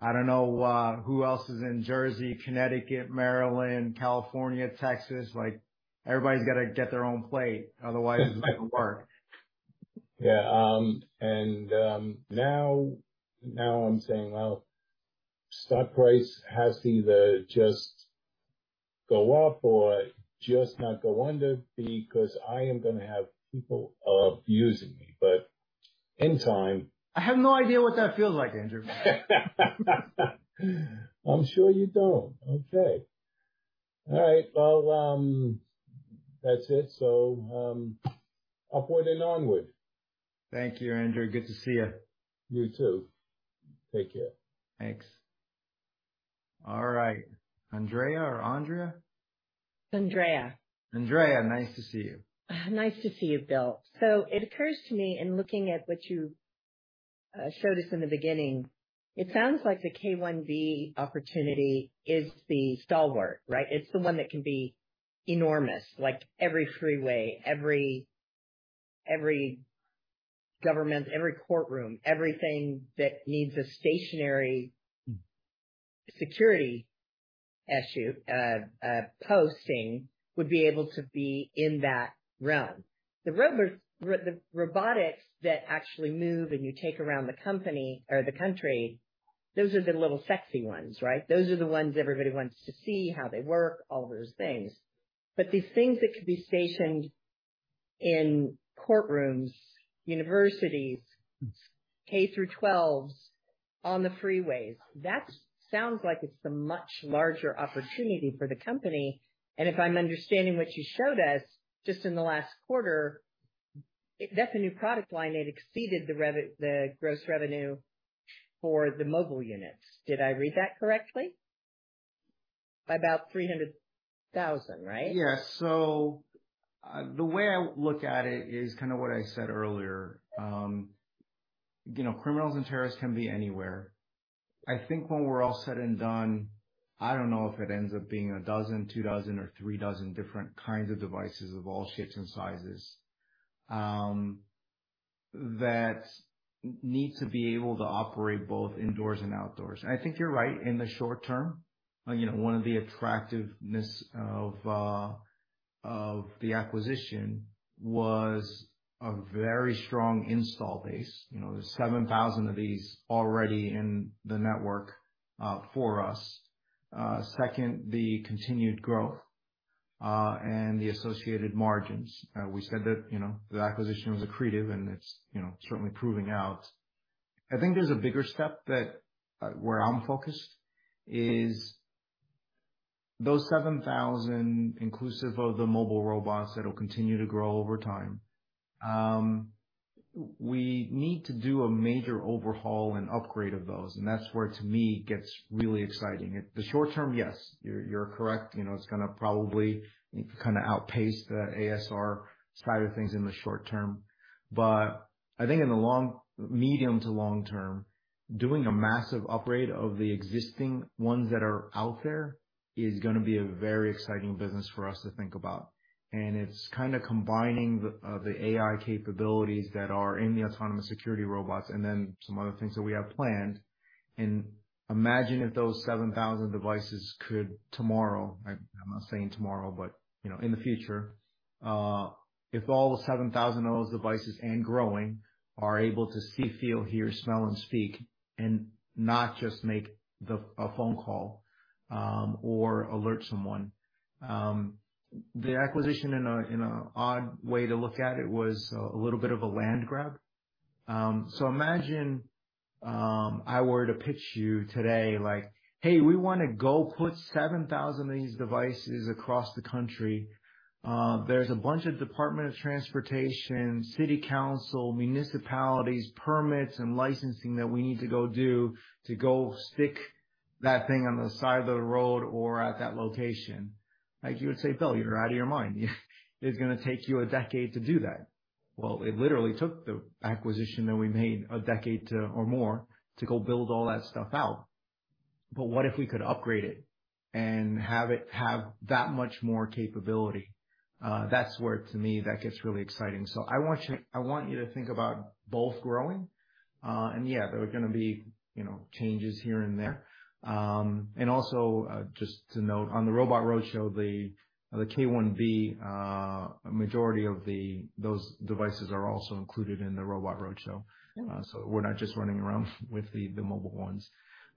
A: I don't know, who else is in Jersey, Connecticut, Maryland, California, Texas. Like, everybody's got to get their own plate. Otherwise, it doesn't work.
G: Yeah. Now, now I'm saying: Well, stock price has to either just go up or just not go under, because I am gonna have people, using me, but in time.
A: I have no idea what that feels like, Andrew.
B: I'm sure you don't. Okay. All right. Well, that's it. Upward and onward.
A: Thank you, Andrew. Good to see you.
G: You too. Take care.
A: Thanks. All right, Andrea or Andrea?
H: Andrea.
A: Andrea, nice to see you.
H: Nice to see you, Bill. It occurs to me, in looking at what you showed us in the beginning, it sounds like the K1B opportunity is the stalwart, right? It's the one that can be enormous, like every freeway, every, every government, every courtroom, everything that needs a stationary security issue, posting, would be able to be in that realm. The robotics that actually move and you take around the company, or the country, those are the little sexy ones, right? Those are the ones everybody wants to see, how they work, all those things. These things that could be stationed in courtrooms, universities, K through 12s, on the freeways, that sounds like it's the much larger opportunity for the company. If I'm understanding what you showed us, just in the last quarter, that's a new product line, and it exceeded the gross revenue for the mobile units. Did I read that correctly? By about $300,000, right?
A: Yeah. The way I look at it is kind of what I said earlier. You know, criminals and terrorists can be anywhere. I think when we're all said and done, I don't know if it ends up being 12, 24, or 36 different kinds of devices of all shapes and sizes. That need to be able to operate both indoors and outdoors. I think you're right, in the short term, you know, one of the attractiveness of the acquisition was a very strong install base. You know, there's 7,000 of these already in the network for us. Second, the continued growth and the associated margins. We said that, you know, the acquisition was accretive, and it's, you know, certainly proving out. I think there's a bigger step, that where I'm focused, is those 7,000, inclusive of the mobile robots, that will continue to grow over time. We need to do a major overhaul and upgrade of those, and that's where, to me, gets really exciting. The short term, yes, you're, you're correct. You know, it's gonna probably kind of outpace the ASR side of things in the short term, but I think in the long-- medium to long term, doing a massive upgrade of the existing ones that are out there is gonna be a very exciting business for us to think about. It's kind of combining the AI capabilities that are in the autonomous security robots and then some other things that we have planned. Imagine if those 7,000 devices could, tomorrow, I'm not saying tomorrow, but, you know, in the future, if all the 7,000 of those devices, and growing, are able to see, feel, hear, smell, and speak, and not just make the a phone call or alert someone. The acquisition, in a, in an odd way to look at it, was a little bit of a land grab. Imagine, I were to pitch you today, like, "Hey, we wanna go put 7,000 of these devices across the country." There's a bunch of Department of Transportation, city council, municipalities, permits, and licensing that we need to go do to go stick that thing on the side of the road or at that location. Like, you would say, "Bill, you're out of your mind. you a decade to do that." Well, it literally took the acquisition that we made a decade or more to go build all that stuff out. But what if we could upgrade it and have it have that much more capability? That's where, to me, that gets really exciting. So I want you, I want you to think about both growing, and yeah, there are gonna be, you know, changes here and there. And also, just to note, on the Robot Roadshow, the K1B, a majority of those devices are also included in the Robot Roadshow. So we're not just running around with the mobile ones.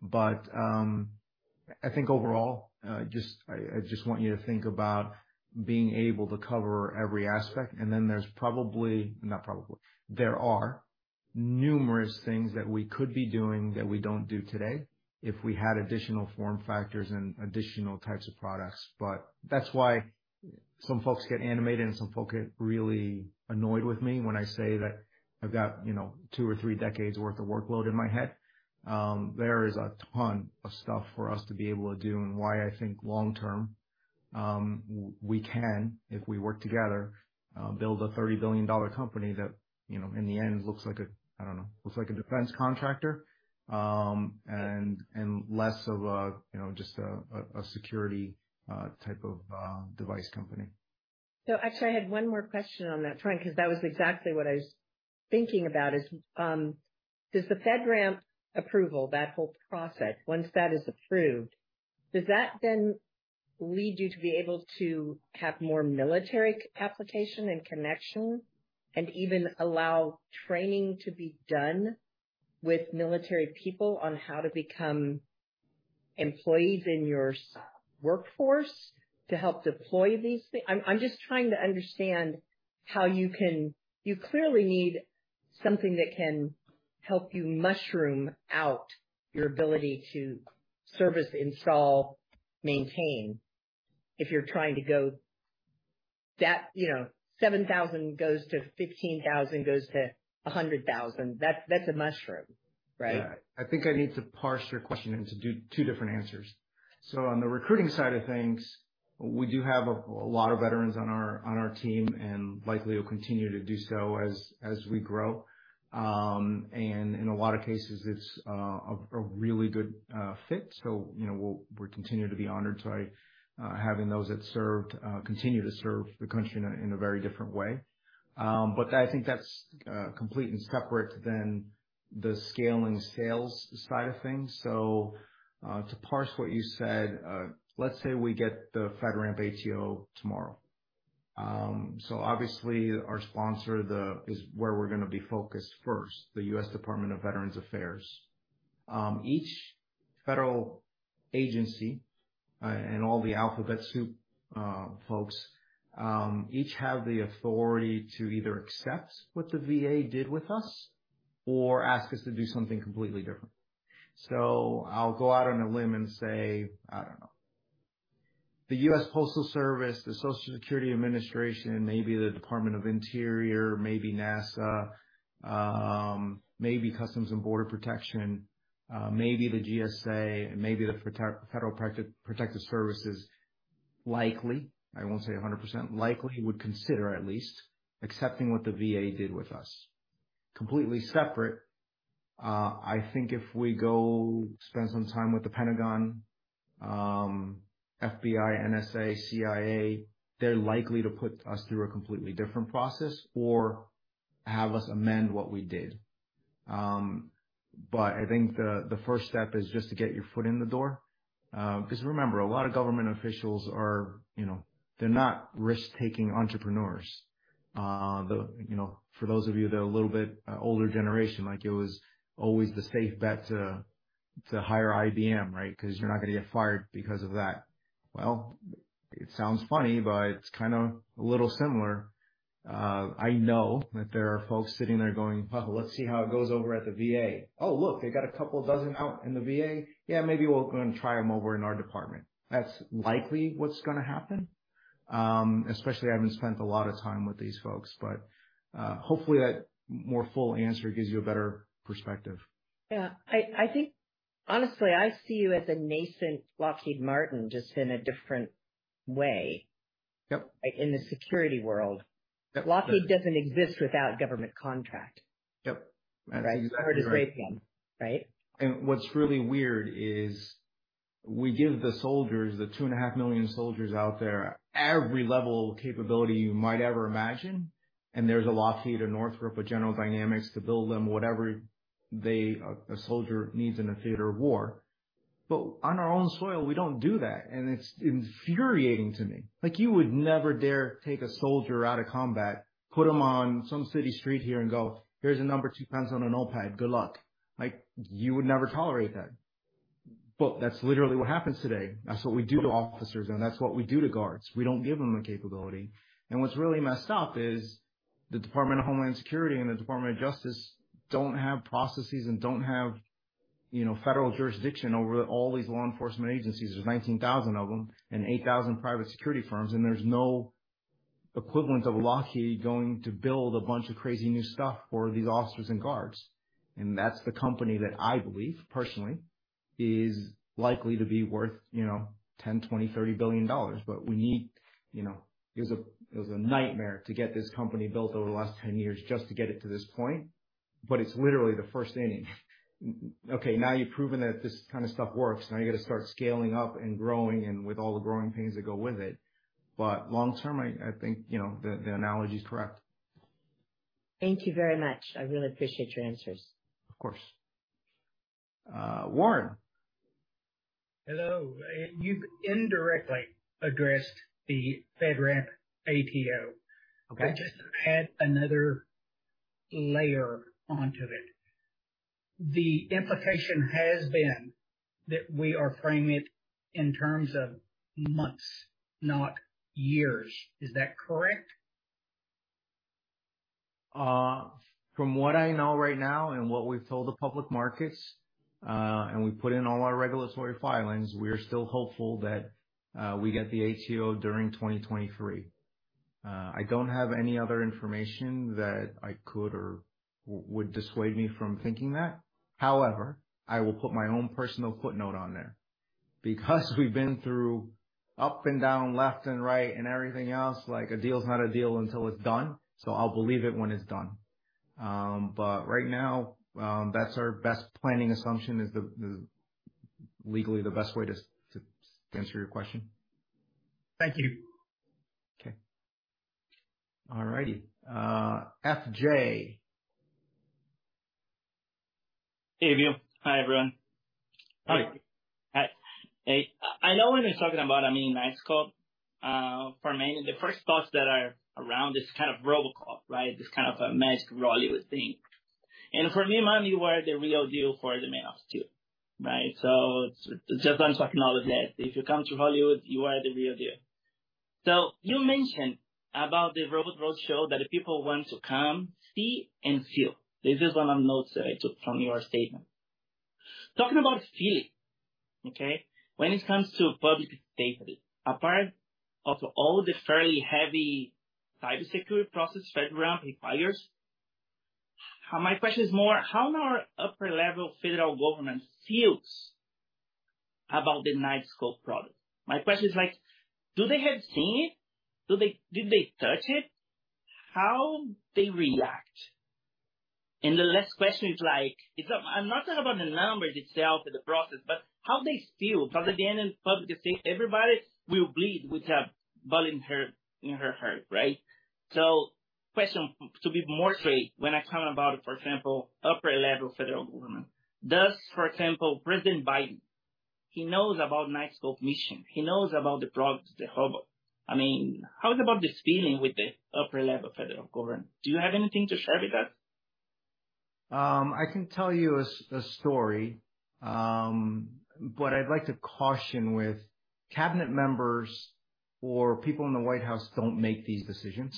A: But I think overall, just.. I, I just want you to think about being able to cover every aspect, and then there's probably, not probably, there are numerous things that we could be doing that we don't do today if we had additional form factors and additional types of products. That's why some folks get animated, and some folk get really annoyed with me when I say that I've got, you know, 2 or 3 decades worth of workload in my head. There is a ton of stuff for us to be able to do and why I think long term, we can, if we work together, build a $30 billion company that, you know, in the end, looks like a, I don't know, looks like a defense contractor, and, and less of a, you know, just a, a, a security, type of, device company.
H: Actually, I had one more question on that front, 'cause that was exactly what I was thinking about, is, does the FedRAMP approval, that whole process, once that is approved, does that then lead you to be able to have more military application and connection, and even allow training to be done with military people on how to become employees in your workforce to help deploy these things? I'm, I'm just trying to understand how you can-- You clearly need something that can help you mushroom out your ability to service, install, maintain, if you're trying to go that, you know, 7,000 goes to 15,000, goes to 100,000. That's, that's a mushroom, right?
A: Yeah. I think I need to parse your question into 2, 2 different answers. On the recruiting side of things, we do have a lot of veterans on our team and likely will continue to do so as we grow. In a lot of cases, it's a really good fit, so, you know, we'll we're continuing to be honored by having those that served continue to serve the country in a very different way. I think that's complete and separate than the scale and sales side of things. To parse what you said, let's say we get the FedRAMP ATO tomorrow. Obviously, our sponsor is where we're gonna be focused first, the U.S. Department of Veterans Affairs. Each federal agency, and all the alphabet soup folks, each have the authority to either accept what the VA did with us or ask us to do something completely different. I'll go out on a limb and say, I don't know, the U.S. Postal Service, the Social Security Administration, maybe the Department of Interior, maybe NASA, maybe Customs and Border Protection, maybe the GSA, and maybe the Federal Protective Services, likely, I won't say 100%, likely would consider at least accepting what the VA did with us. I think if we go spend some time with the Pentagon, FBI, NSA, CIA, they're likely to put us through a completely different process or have us amend what we did. But I think the, the first step is just to get your foot in the door. Because remember, a lot of government officials are, you know, they're not risk-taking entrepreneurs. The, you know, for those of you that are a little bit older generation, like, it was always the safe bet to, to hire IBM, right? Because you're not going to get fired because of that. Well, it sounds funny, but it's kind of a little similar. I know that there are folks sitting there going, "Well, let's see how it goes over at the VA. Oh, look, they got a couple dozen out in the VA. Yeah, maybe we'll go and try them over in our department." That's likely what's gonna happen, especially having spent a lot of time with these folks. Hopefully, that more full answer gives you a better perspective.
H: Yeah. I think, Honestly, I see you as a nascent Lockheed Martin, just in a different way.
A: Yep.
H: In the security world.
A: Yep.
H: Lockheed doesn't exist without government contract.
A: Yep.
H: Right? I heard a great one, right?
A: What's really weird is we give the soldiers, the 2.5 million soldiers out there, every level of capability you might ever imagine, and there's a Lockheed, a Northrop, a General Dynamics, to build them whatever they, a, a soldier needs in a theater of war. On our own soil, we don't do that, and it's infuriating to me. Like, you would never dare take a soldier out of combat, put him on some city street here and go, "Here's a 2 pens on a notepad. Good luck." Like, you would never tolerate that. That's literally what happens today. That's what we do to officers, and that's what we do to guards. We don't give them the capability. What's really messed up is the Department of Homeland Security and the Department of Justice don't have processes and don't have, you know, federal jurisdiction over all these law enforcement agencies. There's 19,000 of them and 8,000 private security firms, and there's no equivalent of Lockheed going to build a bunch of crazy new stuff for these officers and guards. That's the company that I believe, personally, is likely to be worth, you know, $10 billion, $20 billion, $30 billion. We need, you know... It was a, it was a nightmare to get this company built over the last 10 years just to get it to this point, but it's literally the first inning. Okay, now, you've proven that this kind of stuff works. Now you've got to start scaling up and growing and with all the growing pains that go with it. long term, I, I think, you know, the, the analogy is correct.
H: Thank you very much. I really appreciate your answers.
A: Of course. Warren?
I: Hello. You've indirectly addressed the FedRAMP ATO.
A: Okay.
I: I just add another layer onto it. The implication has been that we are framing it in terms of months, not years. Is that correct?
A: From what I know right now and what we've told the public markets, and we put in all our regulatory filings, we are still hopeful that we get the ATO during 2023. I don't have any other information that I could or would dissuade me from thinking that. However, I will put my own personal footnote on there. Because we've been through up and down, left and right, and everything else, like, a deal is not a deal until it's done, so I'll believe it when it's done. Right now, that's our best planning assumption, is the, the legally the best way to, to answer your question.
I: Thank you.
A: Okay. All righty. FJ?
J: Hey, view. Hi, everyone.
A: Hi.
J: Hi. Hey, I know when you're talking about, I mean, Knightscope, for many, the first thoughts that are around, is kind of Robocop, right? This kind of a magic Hollywood thing. For me, man, you are the real deal for the maniacs too, right? Just want to acknowledge that if you come to Hollywood, you are the real deal. You mentioned about the Robot Roadshow, that the people want to come, see, and feel. This is one of the notes that I took from your statement. Talking about feeling, okay? When it comes to public safety, apart of all the fairly heavy cybersecurity process FedRAMP requires, my question is more how our upper-level federal government feels about the Knightscope product? My question is like, do they have seen it? Do they, did they touch it? How they react? The last question is like, it's I'm not talking about the numbers itself, the process, but how they feel, because at the end of the public, everybody will bleed with a bullet in her, in her heart, right? Question, to be more clear, when I come about, for example, upper-level federal government. Does, for example, President Biden, he knows about Knightscope mission, he knows about the products, the robot. I mean, how about this feeling with the upper level federal government? Do you have anything to share with us?
A: I can tell you a story, but I'd like to caution with cabinet members or people in the White House don't make these decisions.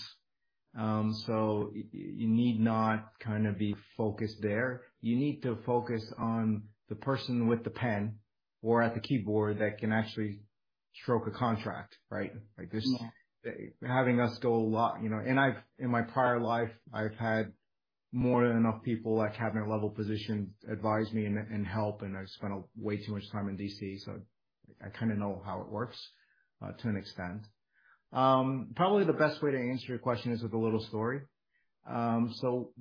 A: You need not kind of be focused there. You need to focus on the person with the pen or at the keyboard that can actually stroke a contract, right?
J: Yeah.
A: Like, this, having us go a lot, you know. I've, in my prior life, I've had more than enough people, like, cabinet-level positions, advise me and, and help, and I've spent way too much time in D.C., so I, I kind of know how it works to an extent. Probably the best way to answer your question is with a little story.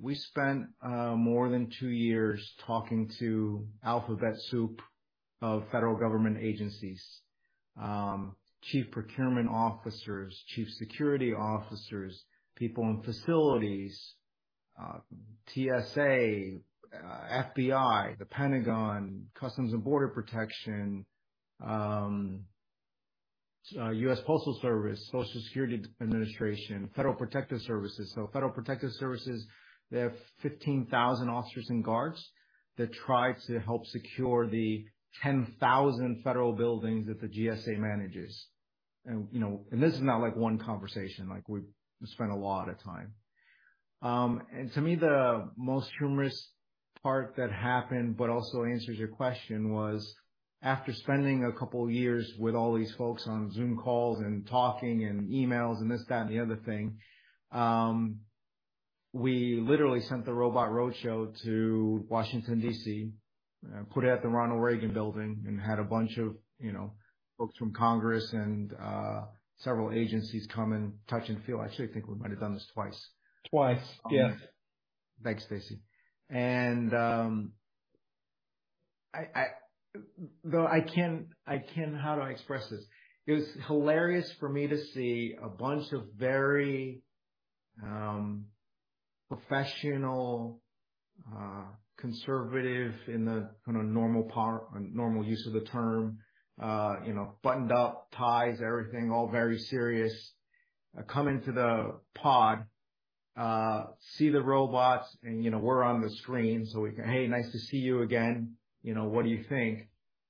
A: We spent more than two years talking to Alphabet Soup of federal government agencies, chief procurement officers, chief security officers, people in facilities, TSA, FBI, The Pentagon, Customs and Border Protection, U.S. Postal Service, Social Security Administration, Federal Protective Service. Federal Protective Service, they have 15,000 officers and guards that try to help secure the 10,000 federal buildings that the GSA manages. You know, and this is not like one conversation, like, we spent a lot of time. To me, the most humorous part that happened, but also answers your question, was after spending a couple years with all these folks on Zoom calls and talking and emails and this, that, and the other thing, we literally sent the Robot Roadshow to Washington, D.C., put it at the Ronald Reagan Building and had a bunch of, you know, folks from Congress and several agencies come and touch and feel. I actually think we might have done this twice.
J: Twice. Yes.
A: Thanks, Stacy. Though I can't, How do I express this? It was hilarious for me to see a bunch of very professional, conservative, in the, kind of, normal normal use of the term, you know, buttoned up, ties, everything, all very serious, come into the pod, see the robots. You know, we're on the screen so we can, "Hey, nice to see you again." You know, "What do you think?"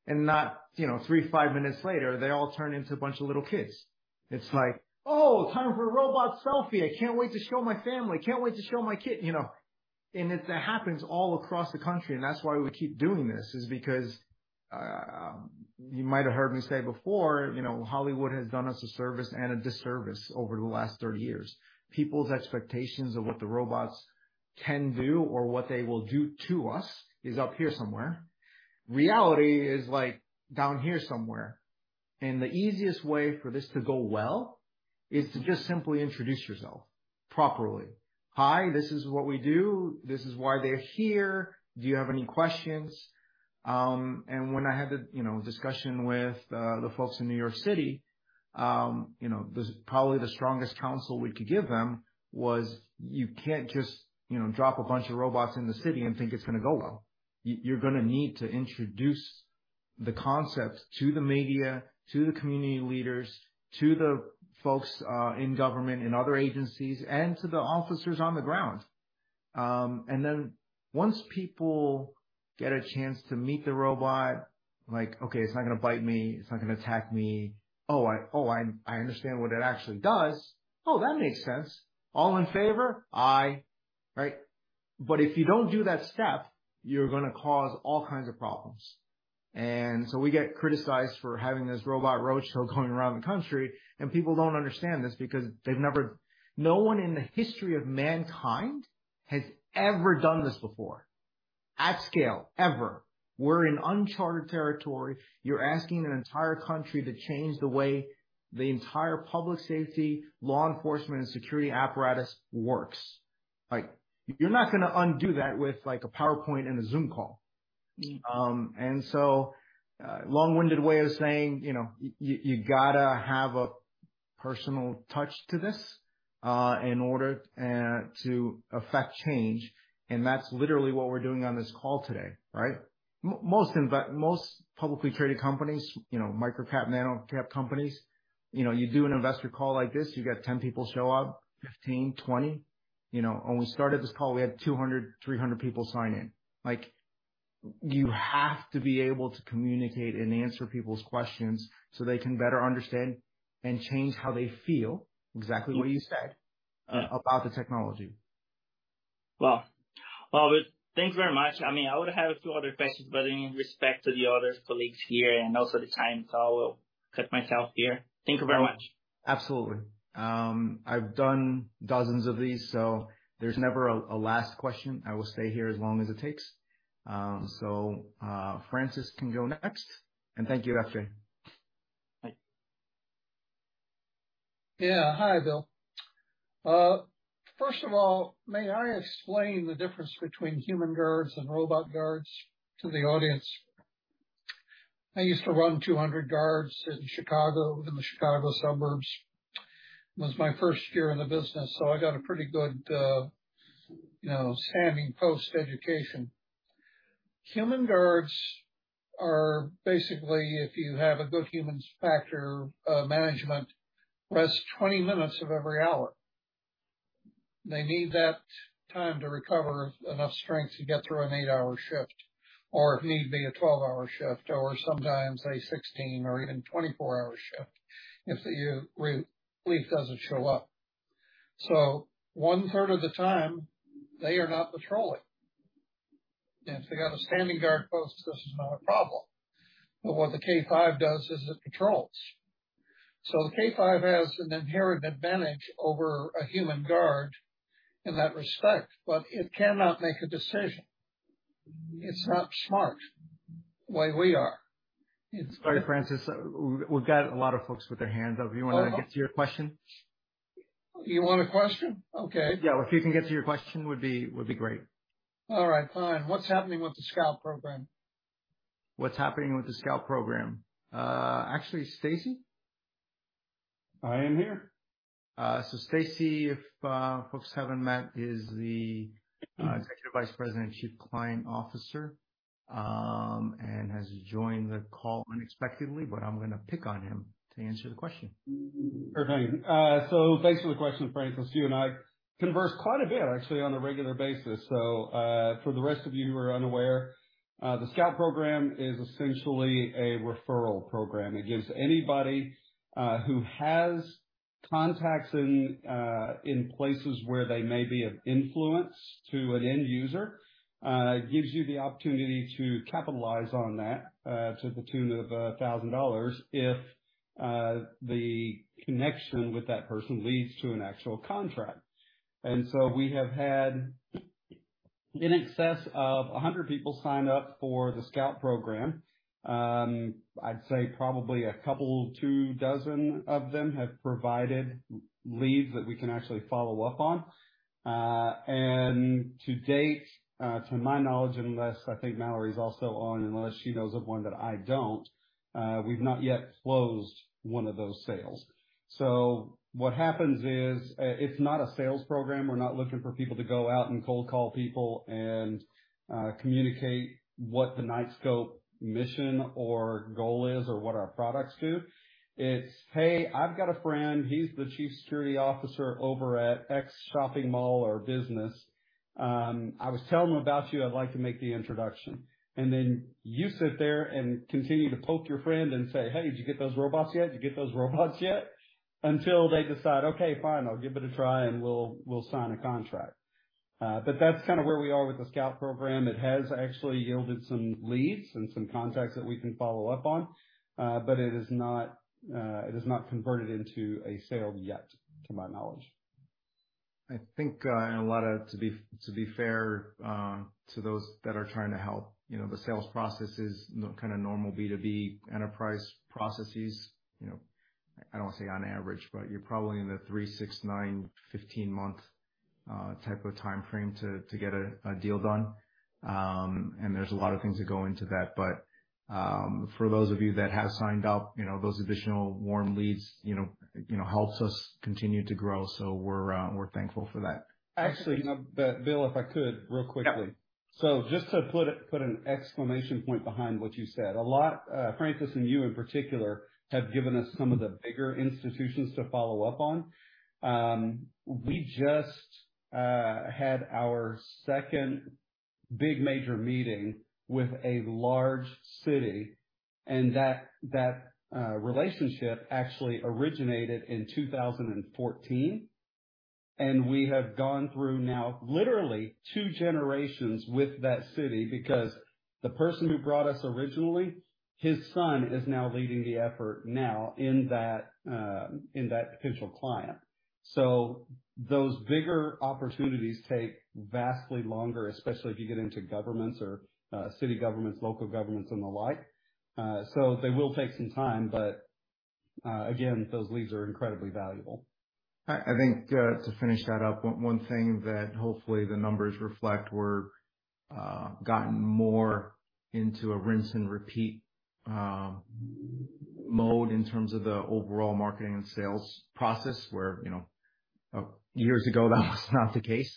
A: Not, you know, 3, 5 minutes later, they all turn into a bunch of little kids. It's like, "Oh, time for a robot selfie! I can't wait to show my family. I can't wait to show my kid," you know? That happens all across the country, and that's why we keep doing this, is because, you might have heard me say before, you know, Hollywood has done us a service and a disservice over the last 30 years. People's expectations of what the robots can do or what they will do to us is up here somewhere. Reality is, like, down here somewhere. The easiest way for this to go well is to just simply introduce yourself properly. "Hi, this is what we do. This is why they're here. Do you have any questions?" When I had the, you know, discussion with the folks in New York City, you know, this is probably the strongest counsel we could give them, was you can't just, you know, drop a bunch of robots in the city and think it's gonna go well. You're gonna need to introduce the concept to the media, to the community leaders, to the folks in government and other agencies, and to the officers on the ground. Then once people get a chance to meet the robot, like, "Okay, it's not gonna bite me, it's not gonna attack me. Oh, I understand what it actually does. Oh, that makes sense. All in favor? Aye." Right? If you don't do that step, you're gonna cause all kinds of problems. So we get criticized for having this Robot Roadshow going around the country, and people don't understand this because they've never... No one in the history of mankind has ever done this before, at scale, ever. We're in uncharted territory. You're asking an entire country to change the way the entire public safety, law enforcement, and security apparatus works. Like, you're not gonna undo that with, like, a PowerPoint and a Zoom call. So, long-winded way of saying, you know, you gotta have a personal touch to this, in order to affect change, and that's literally what we're doing on this call today, right? Most publicly traded companies, you know, micro-cap, nano-cap companies, you know, you do an investor call like this, you get 10 people show up, 15, 20. You know, when we started this call, we had 200, 300 people sign in. Like, you have to be able to communicate and answer people's questions so they can better understand and change how they feel, exactly what you said, about the technology.
J: Well, well, thanks very much. I mean, I would have a few other questions, but in respect to the other colleagues here and also the time, so I will cut myself here. Thank you very much.
A: Absolutely. I've done dozens of these, so there's never a, a last question. I will stay here as long as it takes. Francis can go next. Thank you, Jeffrey.
J: Bye.
K: Yeah. Hi, Bill. First of all, may I explain the difference between human guards and robot guards to the audience? I used to run 200 guards in Chicago, in the Chicago suburbs. It was my first year in the business, so I got a pretty good, you know, standing post education. Human guards are basically, if you have a good human factor, management, rest 20 minutes of every hour. They need that time to recover enough strength to get through an 8-hour shift, or if need be, a 12-hour shift, or sometimes a 16 or even 24-hour shift, if the relief doesn't show up. One third of the time, they are not patrolling. If they got a standing guard post, this is not a problem. What the K5 does is it patrols. The K5 has an inherent advantage over a human guard in that respect, it cannot make a decision. It's not smart like we are.
A: Sorry, Francis, we've got a lot of folks with their hands up. You want to get to your question?
K: You want a question? Okay.
A: Yeah. If you can get to your question, would be, would be great.
K: All right, fine. What's happening with the Scout Program?
A: What's happening with the Scout Program? Actually, Stacy?
L: I am here.
A: Stacy, if folks haven't met, is the Executive Vice President Chief Client Officer, and has joined the call unexpectedly, but I'm gonna pick on him to answer the question.
L: Perfect. Thanks for the question, Francis. You and I converse quite a bit, actually, on a regular basis. For the rest of you who are unaware, the Scout Program is essentially a referral program. It gives anybody who has contacts in places where they may be of influence to an end user, it gives you the opportunity to capitalize on that to the tune of $1,000, if the connection with that person leads to an actual contract. So we have had in excess of 100 people sign up for the Scout Program. I'd say probably a couple, 2 dozen of them have provided leads that we can actually follow up on. To date, to my knowledge, unless I think Mallory is also on, unless she knows of one that I don't, we've not yet closed one of those sales. What happens is, it's not a sales program. We're not looking for people to go out and cold call people and communicate what the Knightscope mission or goal is or what our products do. It's, "Hey, I've got a friend, he's the chief security officer over at X shopping mall or business. I was telling him about you. I'd like to make the introduction." Then you sit there and continue to poke your friend and say, "Hey, did you get those robots yet? Did you get those robots yet?" Until they decide: Okay, fine, I'll give it a try, and we'll, we'll sign a contract. That's kind of where we are with the Scout Program. It has actually yielded some leads and some contacts that we can follow up on. It has not, it has not converted into a sale yet, to my knowledge.
A: I think, and a lot of, to be, to be fair, to those that are trying to help, you know, the sales process is kind of normal B2B enterprise processes. You know, I don't want to say on average, but you're probably in the 3, 6, 9, 15 month, type of timeframe to, to get a, a deal done. There's a lot of things that go into that. For those of you that have signed up, you know, those additional warm leads, you know, you know, helps us continue to grow. We're, we're thankful for that.
L: Actually, Bill, if I could, real quickly.
A: Yeah.
L: Just to put it, put an exclamation point behind what you said, a lot, Francis and you in particular, have given us some of the bigger institutions to follow up on. We just had our second big major meeting with a large city, and that, that relationship actually originated in 2014. We have gone through now literally 2 generations with that city because the person who brought us originally, his son, is now leading the effort now in that, in that potential client. Those bigger opportunities take vastly longer, especially if you get into governments or city governments, local governments and the like. They will take some time, but again, those leads are incredibly valuable.
A: I, I think, to finish that up, one, one thing that hopefully the numbers reflect, we're gotten more into a rinse and repeat mode in terms of the overall marketing and sales process, where, you know, years ago, that was not the case.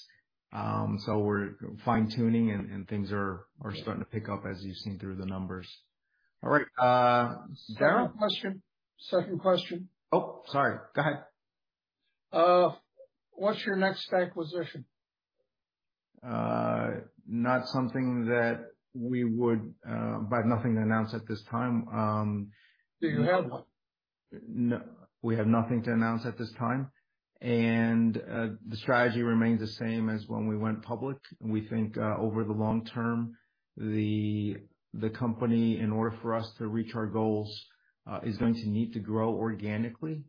A: We're fine-tuning and, and things are, are starting to pick up, as you've seen through the numbers. All right, Daryl?
K: Question. Second question.
A: Oh, sorry. Go ahead.
K: What's your next acquisition?
A: not something that we would. I have nothing to announce at this time.
K: Do you have one?
A: No, we have nothing to announce at this time. The strategy remains the same as when we went public. We think over the long term, the, the company, in order for us to reach our goals, is going to need to grow organically,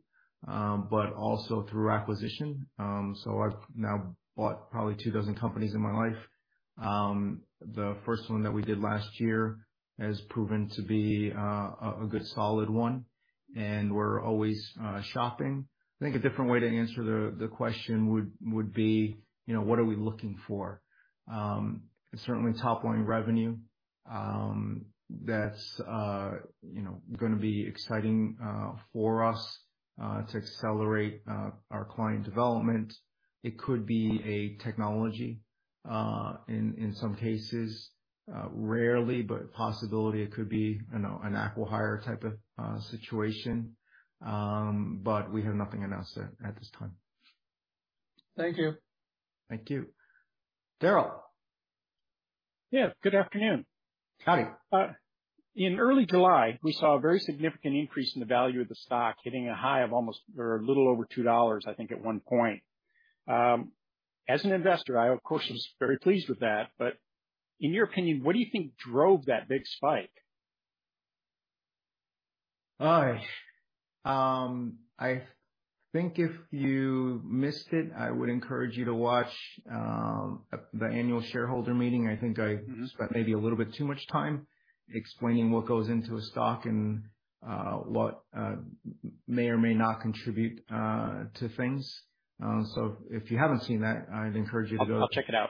A: but also through acquisition. I've now bought probably 2 dozen companies in my life. The first one that we did last year has proven to be a good solid one, and we're always shopping. I think a different way to answer the, the question would, would be: you know, what are we looking for? Certainly, top-line revenue, that's, you know, gonna be exciting for us to accelerate our client development. It could be a technology, in, in some cases, rarely, but possibility it could be, you know, an acqui-hire type of, situation. But we have nothing announced at, at this time.
K: Thank you.
A: Thank you. Daryl?
M: Yeah, good afternoon.
A: Howdy.
M: In early July, we saw a very significant increase in the value of the stock, hitting a high of almost or a little over $2, I think, at 1 point. As an investor, I, of course, was very pleased with that. In your opinion, what do you think drove that big spike?
A: Hi. I think if you missed it, I would encourage you to watch, the annual shareholder meeting. I think I spent maybe a little bit too much time explaining what goes into a stock and, what may or may not contribute, to things. If you haven't seen that, I'd encourage you to go-
M: I'll check it out.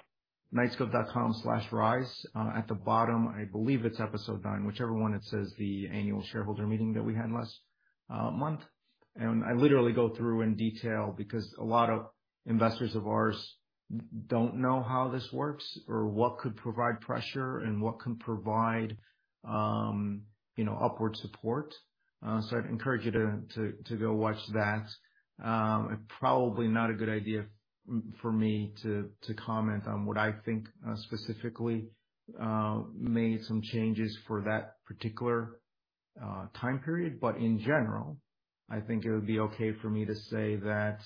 A: Knightscope.com/rise. At the bottom, I believe it's episode nine, whichever one it says, the annual shareholder meeting that we had last month. I literally go through in detail, because a lot of investors of ours don't know how this works or what could provide pressure and what can provide, you know, upward support. So I'd encourage you to, to, to go watch that. Probably not a good idea for me to, to comment on what I think, specifically, made some changes for that particular time period. In general, I think it would be okay for me to say that,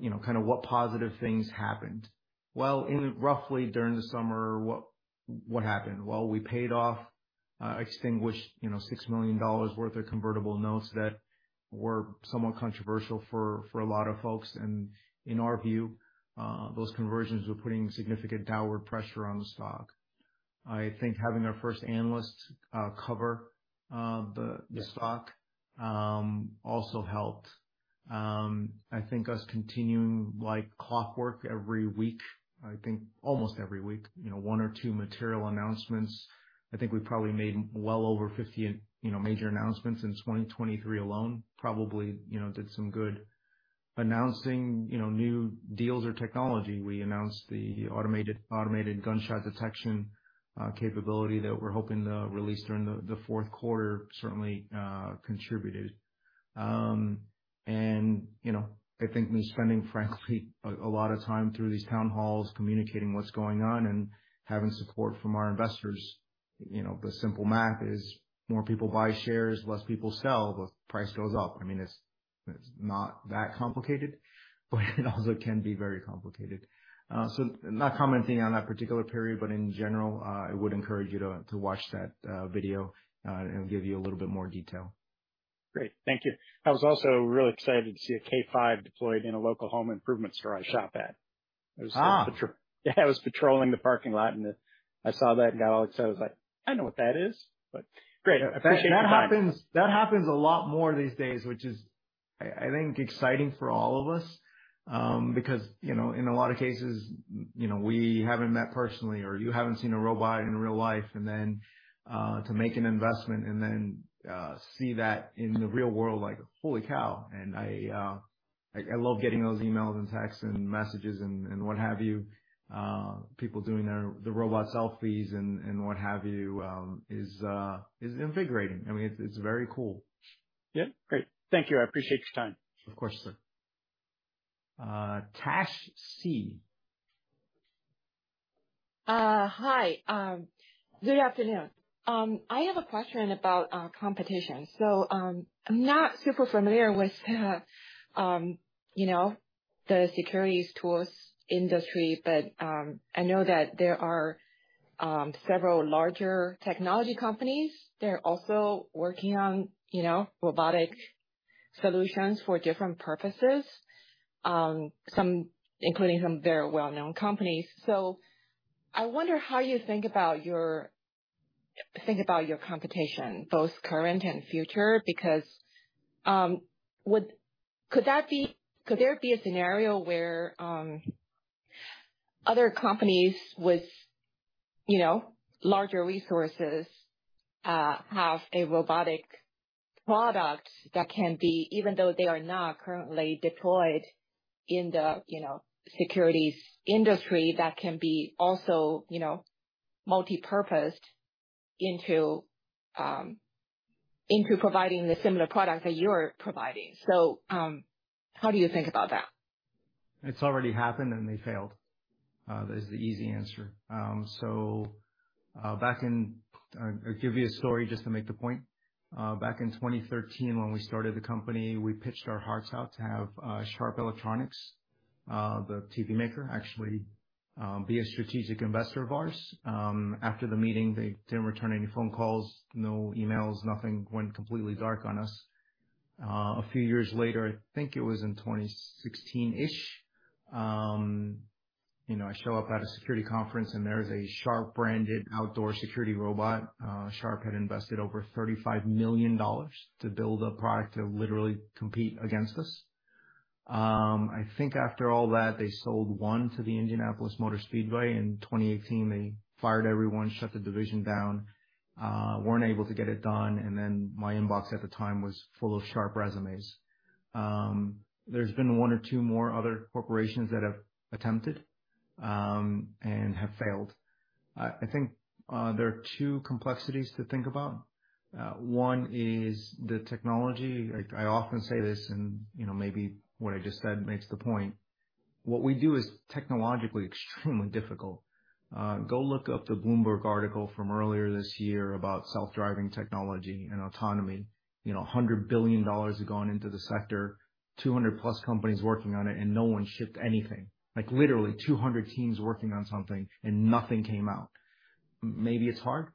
A: you know, kind of what positive things happened. Well, in roughly during the summer, what, what happened? Well, we paid off, extinguished, you know, $6 million worth of convertible notes that were somewhat controversial for, for a lot of folks. In our view, those conversions were putting significant downward pressure on the stock. I think having our first analyst cover the stock also helped. I think us continuing like clockwork every week, I think almost every week, you know, one or two material announcements. I think we probably made well over 50, you know, major announcements in 2023 alone. Probably, you know, did some good. Announcing, you know, new deals or technology. We announced the Automated Gunshot Detection capability that we're hoping to release during the fourth quarter, certainly contributed. You know, I think me spending, frankly, a lot of time through these Town Halls, communicating what's going on and having support from our investors, you know, the simple math is more people buy shares, less people sell, the price goes up. I mean, it's, it's not that complicated, but it also can be very complicated. Not commenting on that particular period, but in general, I would encourage you to, to watch that video, it'll give you a little bit more detail.
M: Great. Thank you. I was also really excited to see a K5 deployed in a local home improvement store I shop at.
A: Ah!
M: Yeah, I was patrolling the parking lot, and I saw that guy, I was like, "I know what that is." Great, I appreciate your time.
A: That happens, that happens a lot more these days, which is, I, I think, exciting for all of us. Because, you know, in a lot of cases, you know, we haven't met personally or you haven't seen a robot in real life, and then, to make an investment and then, see that in the real world, like, holy cow! I, I, I love getting those emails and texts and messages and, and what have you, people doing their, the robot selfies and, and what have you, is, is invigorating. I mean, it's, it's very cool.
M: Yeah. Great. Thank you. I appreciate your time.
A: Of course, sir. Tash C?
N: Hi, good afternoon. I have a question about competition. I'm not super familiar with, you know, the securities tours industry, but I know that there are several larger technology companies that are also working on, you know, robotic solutions for different purposes, some including some very well-known companies. I wonder how you think about your- think about your competition, both current and future, because would... Could that be- could there be a scenario where other companies with, you know, larger resources, have a robotic product that can be, even though they are not currently deployed in the, you know, securities industry, that can be also, you know, multi-purposed into providing the similar product that you are providing? How do you think about that?
A: It's already happened. They failed. Is the easy answer. Back in... I'll give you a story just to make the point. Back in 2013, when we started the company, we pitched our hearts out to have Sharp Electronics, the TV maker, actually, be a strategic investor of ours. After the meeting, they didn't return any phone calls, no emails, nothing, went completely dark on us. A few years later, I think it was in 2016-ish, you know, I show up at a security conference. There is a Sharp-branded outdoor security robot. Sharp had invested over $35 million to build a product to literally compete against us. I think after all that, they sold one to the Indianapolis Motor Speedway. In 2018, they fired everyone, shut the division down, weren't able to get it done, and then my inbox at the time was full of Sharp resumes. There's been one or two more other corporations that have attempted and have failed. I, I think, there are 2 complexities to think about. 1 is the technology. Like, I often say this, and, you know, maybe what I just said makes the point. What we do is technologically extremely difficult. Go look up the Bloomberg article from earlier this year about self-driving technology and autonomy. You know, $100 billion have gone into the sector, 200+ companies working on it, and no one shipped anything. Like, literally, 200 teams working on something, and nothing came out... Maybe it's hard.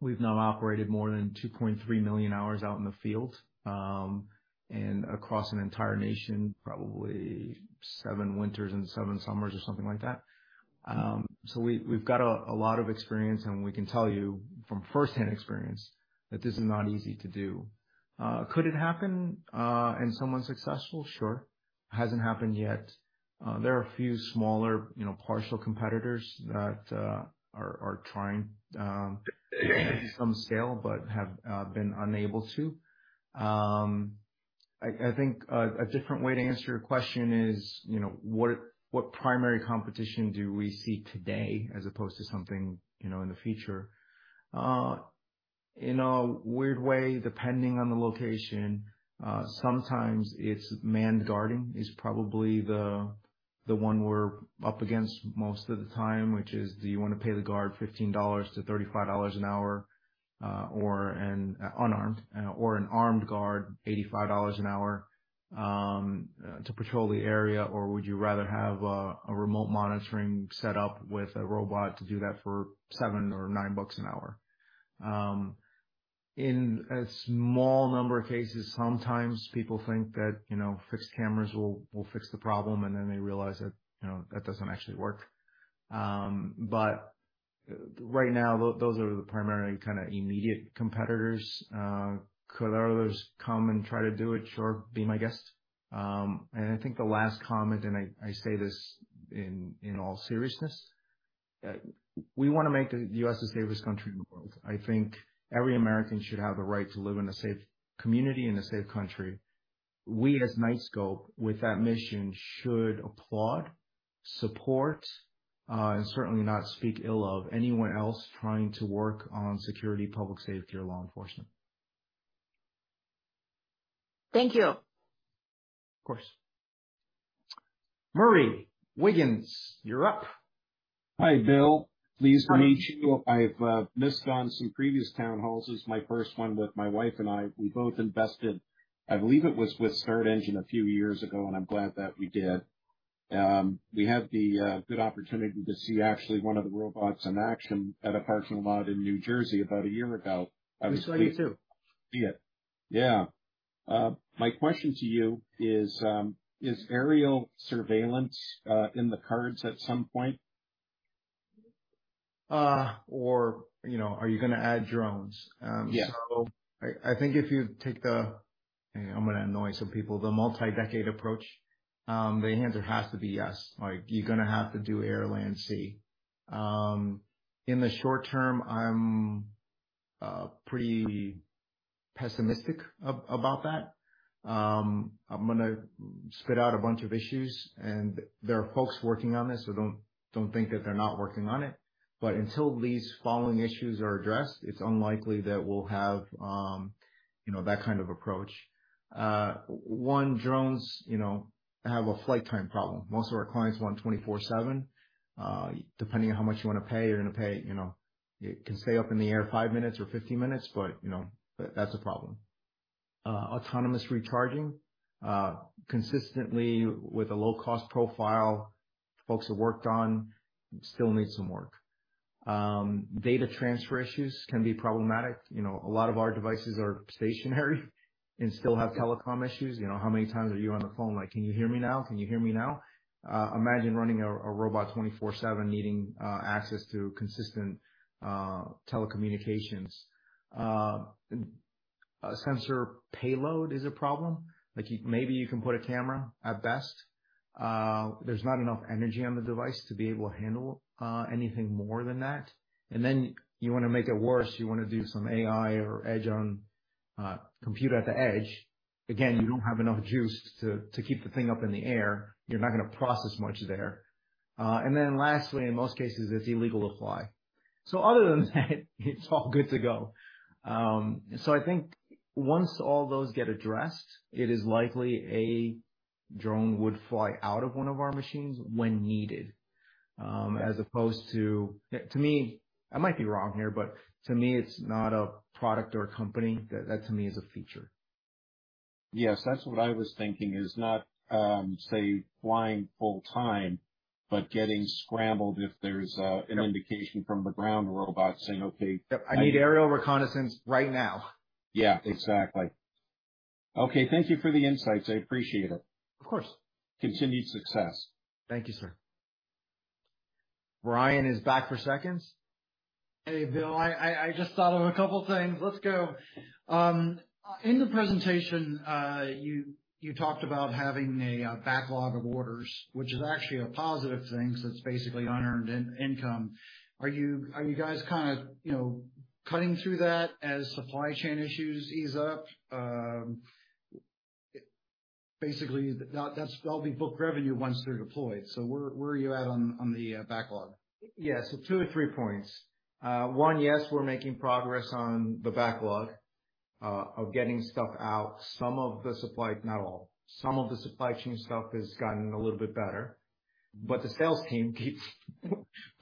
A: We've now operated more than 2.3 million hours out in the field, and across an entire nation, probably seven winters and seven summers or something like that. We, we've got a, a lot of experience, and we can tell you from firsthand experience that this is not easy to do. Could it happen, and someone successful? Sure. Hasn't happened yet. There are a few smaller, you know, partial competitors that are trying, some scale, but have been unable to. I, I think, a different way to answer your question is, you know, what, what primary competition do we see today as opposed to something, you know, in the future? In a weird way, depending on the location, sometimes it's manned guarding is probably the, the one we're up against most of the time, which is: do you want to pay the guard $15 to $35 an hour, or an unarmed, or an armed guard, $85 an hour, to patrol the area? Would you rather have a, a remote monitoring setup with a robot to do that for $7 or $9 an hour? In a small number of cases, sometimes people think that, you know, fixed cameras will, will fix the problem, and then they realize that, you know, that doesn't actually work. Right now, those are the primary, kind of, immediate competitors. Could others come and try to do it? Sure. Be my guest. I think the last comment, and I, I say this in, in all seriousness, we want to make the U.S. the safest country in the world. I think every American should have the right to live in a safe community, in a safe country. We, as Knightscope, with that mission, should applaud, support, and certainly not speak ill of anyone else trying to work on security, public safety or law enforcement.
N: Thank you.
A: Of course. Murray Wiggins, you're up.
O: Hi, Bill. Pleased to meet you. I've missed on some previous Town Halls. This is my first one with my wife and I. We both invested, I believe it was with StartEngine a few years ago, and I'm glad that we did. We had the good opportunity to see actually one of the robots in action at a parking lot in New Jersey about 1 year ago.
A: We saw you, too.
O: Yeah. My question to you is, is aerial surveillance in the cards at some point? You know, are you gonna add drones?
A: Yeah. I, I think if you take the... I'm gonna annoy some people, the multi-decade approach, the answer has to be yes. Like, you're gonna have to do air, land, sea. In the short term, I'm pretty pessimistic about that. I'm gonna spit out a bunch of issues, and there are folks working on this, so don't, don't think that they're not working on it. Until these following issues are addressed, it's unlikely that we'll have, you know, that kind of approach. One, drones, you know, have a flight time problem. Most of our clients want 24/7. Depending on how much you want to pay, you're gonna pay, you know, it can stay up in the air 5 minutes or 50 minutes, but, you know, that's a problem. Autonomous recharging, consistently with a low cost profile, folks have worked on, still needs some work. Data transfer issues can be problematic. You know, a lot of our devices are stationary and still have telecom issues. You know, how many times are you on the phone like: "Can you hear me now? Can you hear me now?" Imagine running a robot 24/7, needing access to consistent telecommunications. Sensor payload is a problem. Like, maybe you can put a camera at best. There's not enough energy on the device to be able to handle anything more than that. Then you want to make it worse, you want to do some AI or edge on compute at the edge. Again, you don't have enough juice to, to keep the thing up in the air. You're not going to process much there. Then lastly, in most cases, it's illegal to fly. Other than that, it's all good to go. I think once all those get addressed, it is likely a drone would fly out of one of our machines when needed, as opposed to... To me, I might be wrong here, but to me, it's not a product or a company. That, to me, is a feature.
O: Yes, that's what I was thinking, is not, say, flying full time, but getting scrambled if there's, an indication from the ground robot saying, "Okay-
A: I need aerial reconnaissance right now.
O: Yeah, exactly. Okay. Thank you for the insights. I appreciate it.
A: Of course.
O: Continued success.
A: Thank you, sir. Brian is back for seconds.
E: Hey, Bill, I, I, I just thought of a couple things. Let's go. In the presentation, you, you talked about having a, backlog of orders, which is actually a positive thing since basically unearned in-income. Are you, are you guys kind of, you know, cutting through that as supply chain issues ease up? Basically, that, that's all be booked revenue once they're deployed. Where, where are you at on, on the, backlog?
A: Yeah. 2 or 3 points. 1, yes, we're making progress on the backlog of getting stuff out. Some of the supply, not all. Some of the supply chain stuff has gotten a little bit better, but the sales team keeps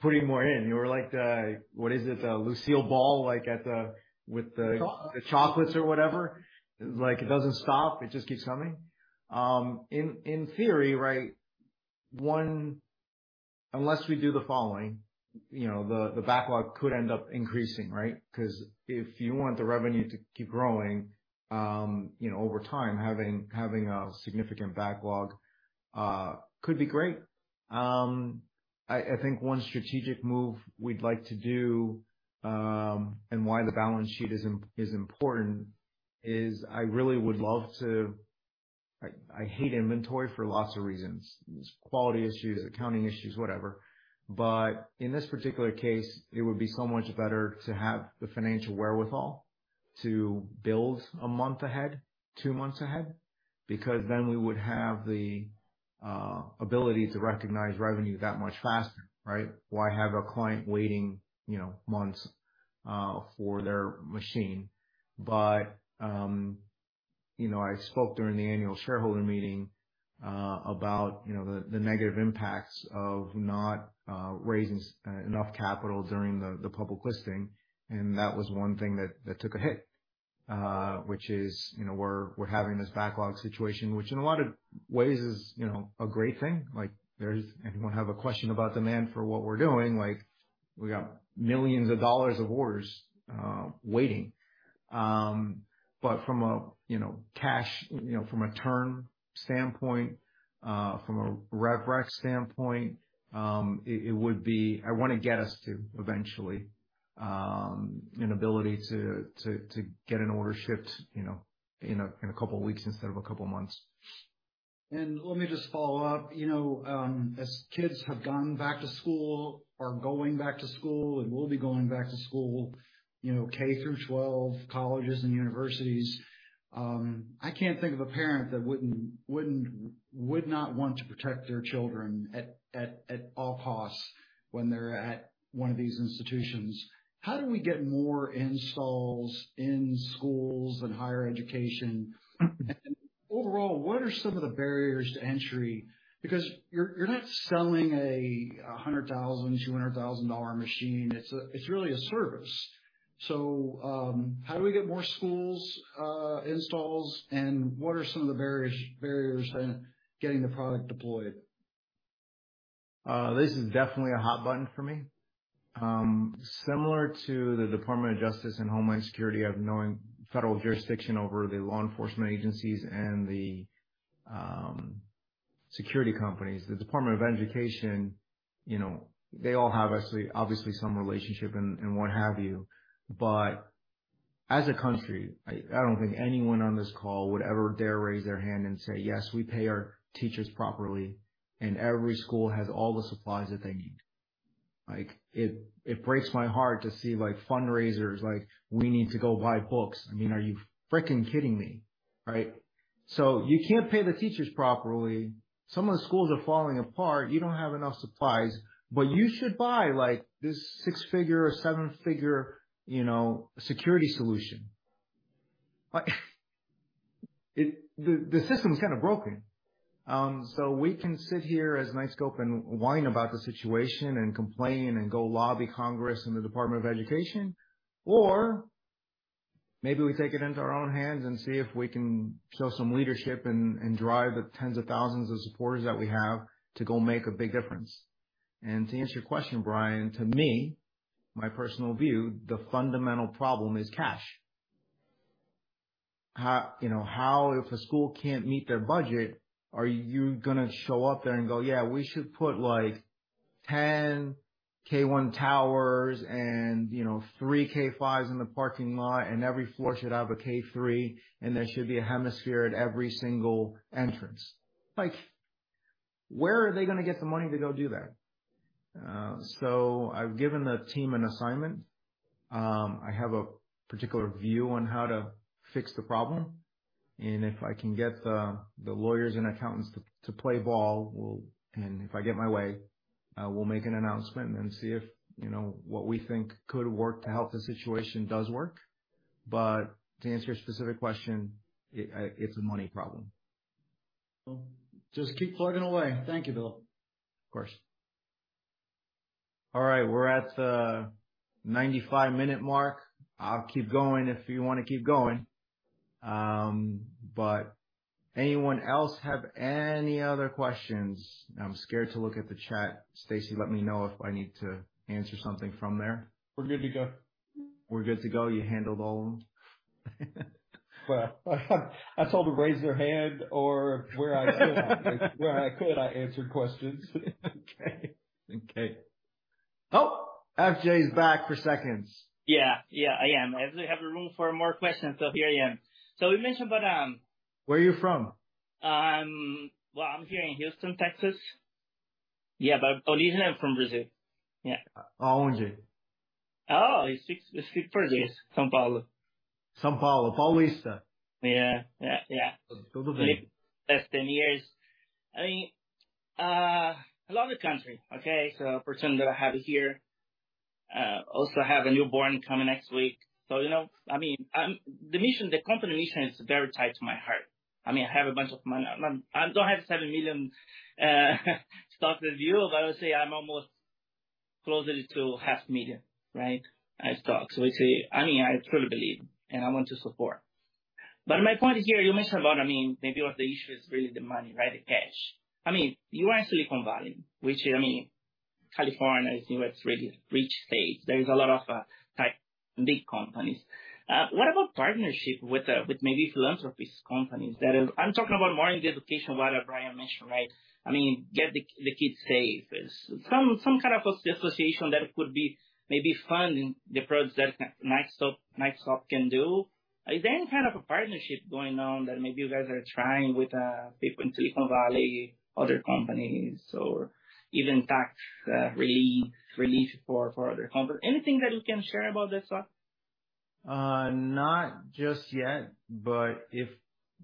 A: putting more in. We're like the, what is it, the Lucille Ball.
E: Chocolates.
A: the chocolates or whatever? Like, it doesn't stop. It just keeps coming. In theory, right, one...... unless we do the following, you know, the backlog could end up increasing, right? If you want the revenue to keep growing, you know, over time, having, having a significant backlog could be great. I think one strategic move we'd like to do, and why the balance sheet is important is I really would love to-- I hate inventory for lots of reasons. There's quality issues, accounting issues, whatever. In this particular case, it would be so much better to have the financial wherewithal to build 1 month ahead, 2 months ahead, because then we would have the ability to recognize revenue that much faster, right? Why have a client waiting, you know, months for their machine? you know, I spoke during the annual shareholder meeting, about, you know, the, the negative impacts of not raising enough capital during the, the public listing, and that was one thing that, that took a hit, which is, you know, we're, we're having this backlog situation. Which in a lot of ways is, you know, a great thing. Like, there's... Anyone have a question about demand for what we're doing, like, we got $ millions of orders waiting. but from a, you know, cash, you know, from a term standpoint, from a Rev rec standpoint, it would be, I wanna get us to, eventually, an ability to get an order shipped, you know, in a 2 weeks instead of a 2 months.
E: Let me just follow up. You know, as kids have gone back to school, are going back to school and will be going back to school, you know, K through 12, colleges and universities, I can't think of a parent that wouldn't, wouldn't, would not want to protect their children at, at, at all costs when they're at one of these institutions. How do we get more installs in schools and higher education? Overall, what are some of the barriers to entry? Because you're, you're not selling a $100,000, $200,000 machine. It's a, it's really a service. How do we get more schools, installs, and what are some of the barriers in getting the product deployed?
A: This is definitely a hot button for me. Similar to the Department of Justice and Homeland Security, of knowing federal jurisdiction over the law enforcement agencies and the security companies, the Department of Education, you know, they all have actually, obviously some relationship and, and what have you. As a country, I, I don't think anyone on this call would ever dare raise their hand and say, "Yes, we pay our teachers properly, and every school has all the supplies that they need." Like, it, it breaks my heart to see, like, fundraisers, like, we need to go buy books. I mean, are you freaking kidding me? Right? You can't pay the teachers properly. Some of the schools are falling apart. You don't have enough supplies, but you should buy, like, this six-figure or seven-figure, you know, security solution. Like, it... The, the system is kind of broken. We can sit here as Knightscope and whine about the situation and complain and go lobby Congress and the Department of Education. Maybe we take it into our own hands and see if we can show some leadership and, and drive the tens of thousands of supporters that we have to go make a big difference. To answer your question, Brian, to me, my personal view, the fundamental problem is cash. How, you know, how, if a school can't meet their budget, are you gonna show up there and go, "Yeah, we should put, like, 10 K1 towers and, you know, three K5s in the parking lot, and every floor should have a K3, and there should be a Hemisphere at every single entrance?" Like, where are they gonna get the money to go do that? I've given the team an assignment. I have a particular view on how to fix the problem, and if I can get the, the lawyers and accountants to, to play ball, we'll. If I get my way, we'll make an announcement and see if, you know, what we think could work to help the situation does work. To answer your specific question, it, it's a money problem.
E: Well, just keep plugging away. Thank you, Bill.
A: Of course. All right, we're at the 95 minute mark. I'll keep going if you want to keep going. Anyone else have any other questions? I'm scared to look at the chat. Stacy, let me know if I need to answer something from there.
L: We're good to go.
A: We're good to go. You handled all of them?
L: Well, I told them to raise their hand or where I could, I answered questions.
A: Okay. Okay. Oh, FJ's back for seconds.
J: Yeah. Yeah, I am. I actually have room for more questions, so here I am. you mentioned about,
A: Where are you from?
J: Well, I'm here in Houston, Texas. Yeah, but originally, I'm from Brazil. Yeah.
A: Aonde?
J: Oh, you speak, you speak Portuguese. São Paulo.
A: São Paulo, Paulista.
J: Yeah. Yeah, yeah.
A: Tudo bem.
J: Last 10 years. I mean, I love the country. Okay? Fortunate that I have it here. Also, I have a newborn coming next week. You know, I mean, the mission, the company mission is very tight to my heart. I mean, I have a bunch of money. I'm, I don't have $7 million stock with you, but I would say I'm almost-... closely to $500,000, right? I stock. It's a, I mean, I truly believe, and I want to support. My point here, you mentioned about, I mean, maybe what the issue is really the money, right? The cash. I mean, you are in Silicon Valley, which is, I mean, California is U.S. really rich state. There is a lot of tech, big companies. What about partnership with with maybe philanthropist companies that is-- I'm talking about more in the education what Brian mentioned, right? I mean, get the, the kids safe. Is some, some kind of association that could be maybe funding the products that Knightscope, Knightscope can do? Is there any kind of a partnership going on that maybe you guys are trying with people in Silicon Valley, other companies, or even tax, relief, relief for, for other companies? Anything that you can share about this?
A: Not just yet, but if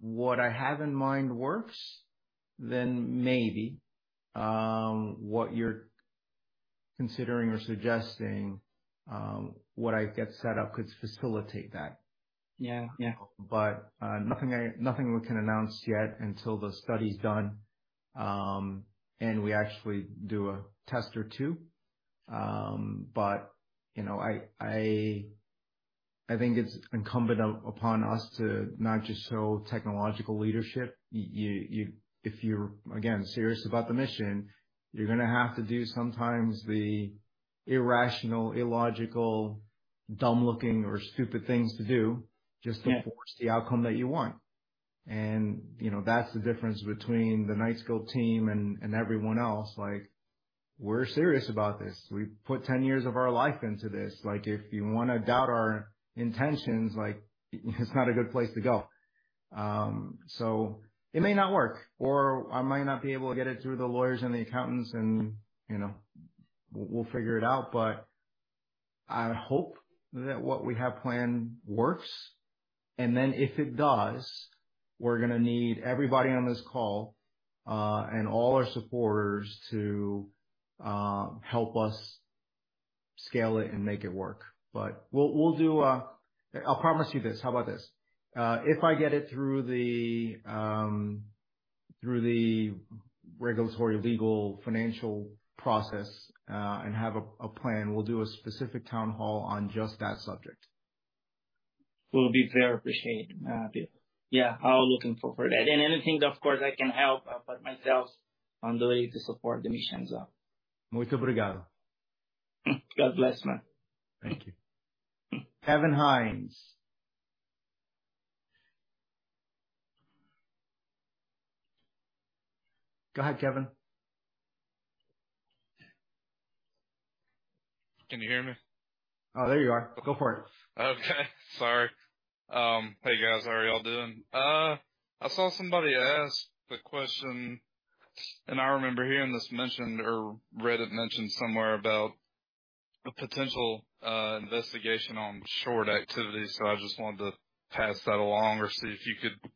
A: what I have in mind works, then maybe, what you're considering or suggesting, what I get set up could facilitate that.
J: Yeah. Yeah.
A: Nothing I, nothing we can announce yet until the study's done, and we actually do a test or two. You know, I, I, I think it's incumbent upon us to not just show technological leadership. If you're, again, serious about the mission, you're gonna have to do sometimes the irrational, illogical, dumb-looking or stupid things to do...
J: Yeah.
A: just to force the outcome that you want. You know, that's the difference between the Knightscope team and, and everyone else. Like, we're serious about this. We've put 10 years of our life into this. Like, if you wanna doubt our intentions, like, it's not a good place to go. So it may not work, or I might not be able to get it through the lawyers and the accountants, and, you know, we'll figure it out. I hope that what we have planned works, and then if it does, we're gonna need everybody on this call, and all our supporters to help us scale it and make it work. We'll, we'll do a... I'll promise you this. How about this? If I get it through the regulatory, legal, financial process, and have a plan, we'll do a specific town hall on just that subject.
J: Will be very appreciated, too. Yeah, I'll looking forward for that. Anything, of course, I can help, I put myself on the way to support the mission as well. God bless, man.
A: Thank you. Kevin Hines. Go ahead, Kevin.
P: Can you hear me?
A: Oh, there you are. Go for it.
P: Okay. Sorry. Hey, guys. How are y'all doing? I saw somebody ask the question, and I remember hearing this mentioned or read it mentioned somewhere about a potential investigation on short activity. I just wanted to pass that along or see if you could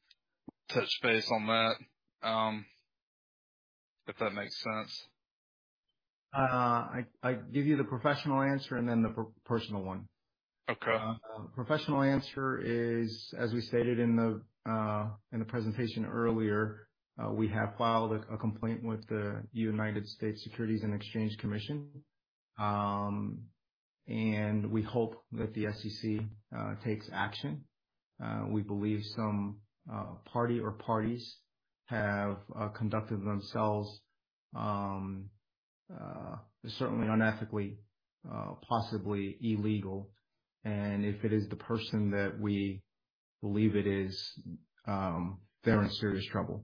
P: touch base on that, if that makes sense.
A: I, I give you the professional answer and then the personal one.
P: Okay.
A: Professional answer is, as we stated in the presentation earlier, we have filed a complaint with the United States Securities and Exchange Commission. We hope that the SEC takes action. We believe some party or parties have conducted themselves certainly unethically, possibly illegal, and if it is the person that we believe it is, they're in serious trouble.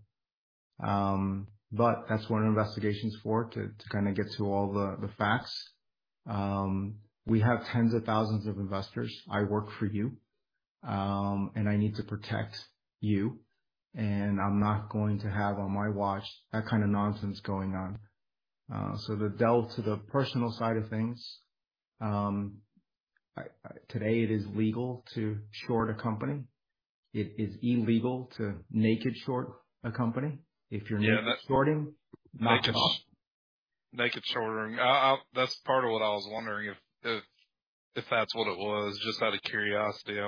A: That's what an investigation is for, to kinda get to all the facts. We have tens of thousands of investors. I work for you, I need to protect you, and I'm not going to have on my watch that kind of nonsense going on. To delve to the personal side of things, I, today, it is legal to short a company. It is illegal to naked short a company. If you're-
P: Yeah.
A: shorting, knock it off.
P: Naked shorting. I, That's part of what I was wondering, if that's what it was, just out of curiosity.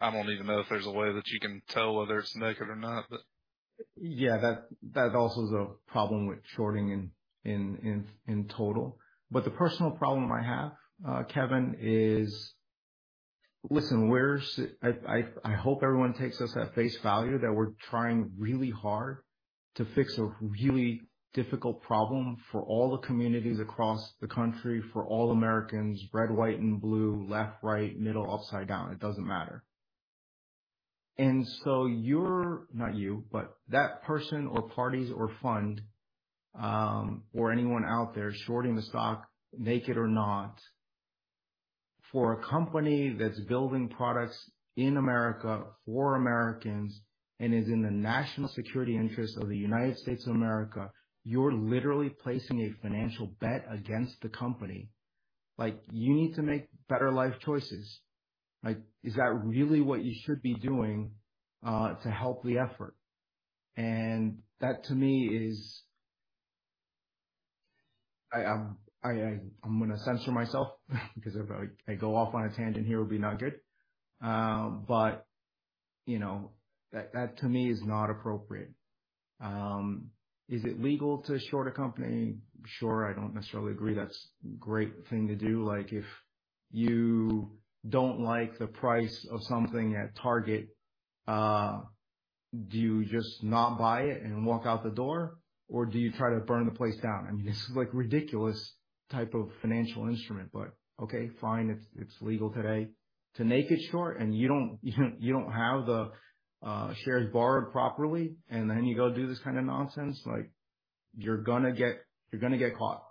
P: I don't even know if there's a way that you can tell whether it's naked or not, but.
A: Yeah, that, that also is a problem with shorting in, in, in, in total. The personal problem I have, Kevin, is. Listen, I hope everyone takes us at face value, that we're trying really hard to fix a really difficult problem for all the communities across the country, for all Americans, red, white and blue, left, right, middle, upside down. It doesn't matter. You're, not you, but that person or parties or fund, or anyone out there shorting the stock, naked or not, for a company that's building products in America, for Americans, and is in the national security interest of the United States of America, you're literally placing a financial bet against the company. Like, you need to make better life choices. Like, is that really what you should be doing, to help the effort? That, to me, is... I, I, I'm gonna censor myself because if I, I go off on a tangent here, it will be not good. You know, that, that to me is not appropriate. Is it legal to short a company? Sure. I don't necessarily agree that's a great thing to do. Like, if you don't like the price of something at Target, do you just not buy it and walk out the door, or do you try to burn the place down? I mean, this is, like, ridiculous type of financial instrument, but okay, fine, it's, it's legal today. To make it short, and you don't, you, you don't have the shares borrowed properly, and then you go do this kind of nonsense, like you're gonna get, you're gonna get caught.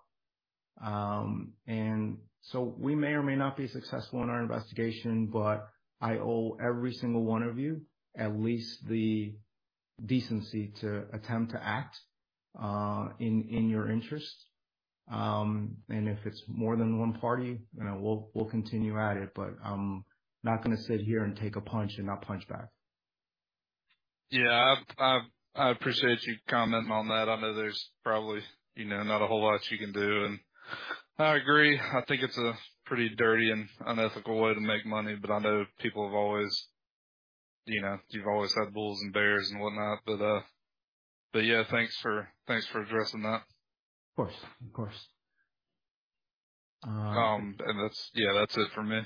A: So we may or may not be successful in our investigation, but I owe every single one of you at least the decency to attempt to act, in, in your interest. If it's more than one party, you know, we'll, we'll continue at it, but I'm not gonna sit here and take a punch and not punch back.
P: Yeah, I, I, I appreciate you commenting on that. I know there's probably, you know, not a whole lot you can do. I agree. I think it's a pretty dirty and unethical way to make money. I know people have always, you know, you've always had bulls and bears and whatnot. Yeah, thanks for, thanks for addressing that.
A: Of course, of course.
P: That's, yeah, that's it for me.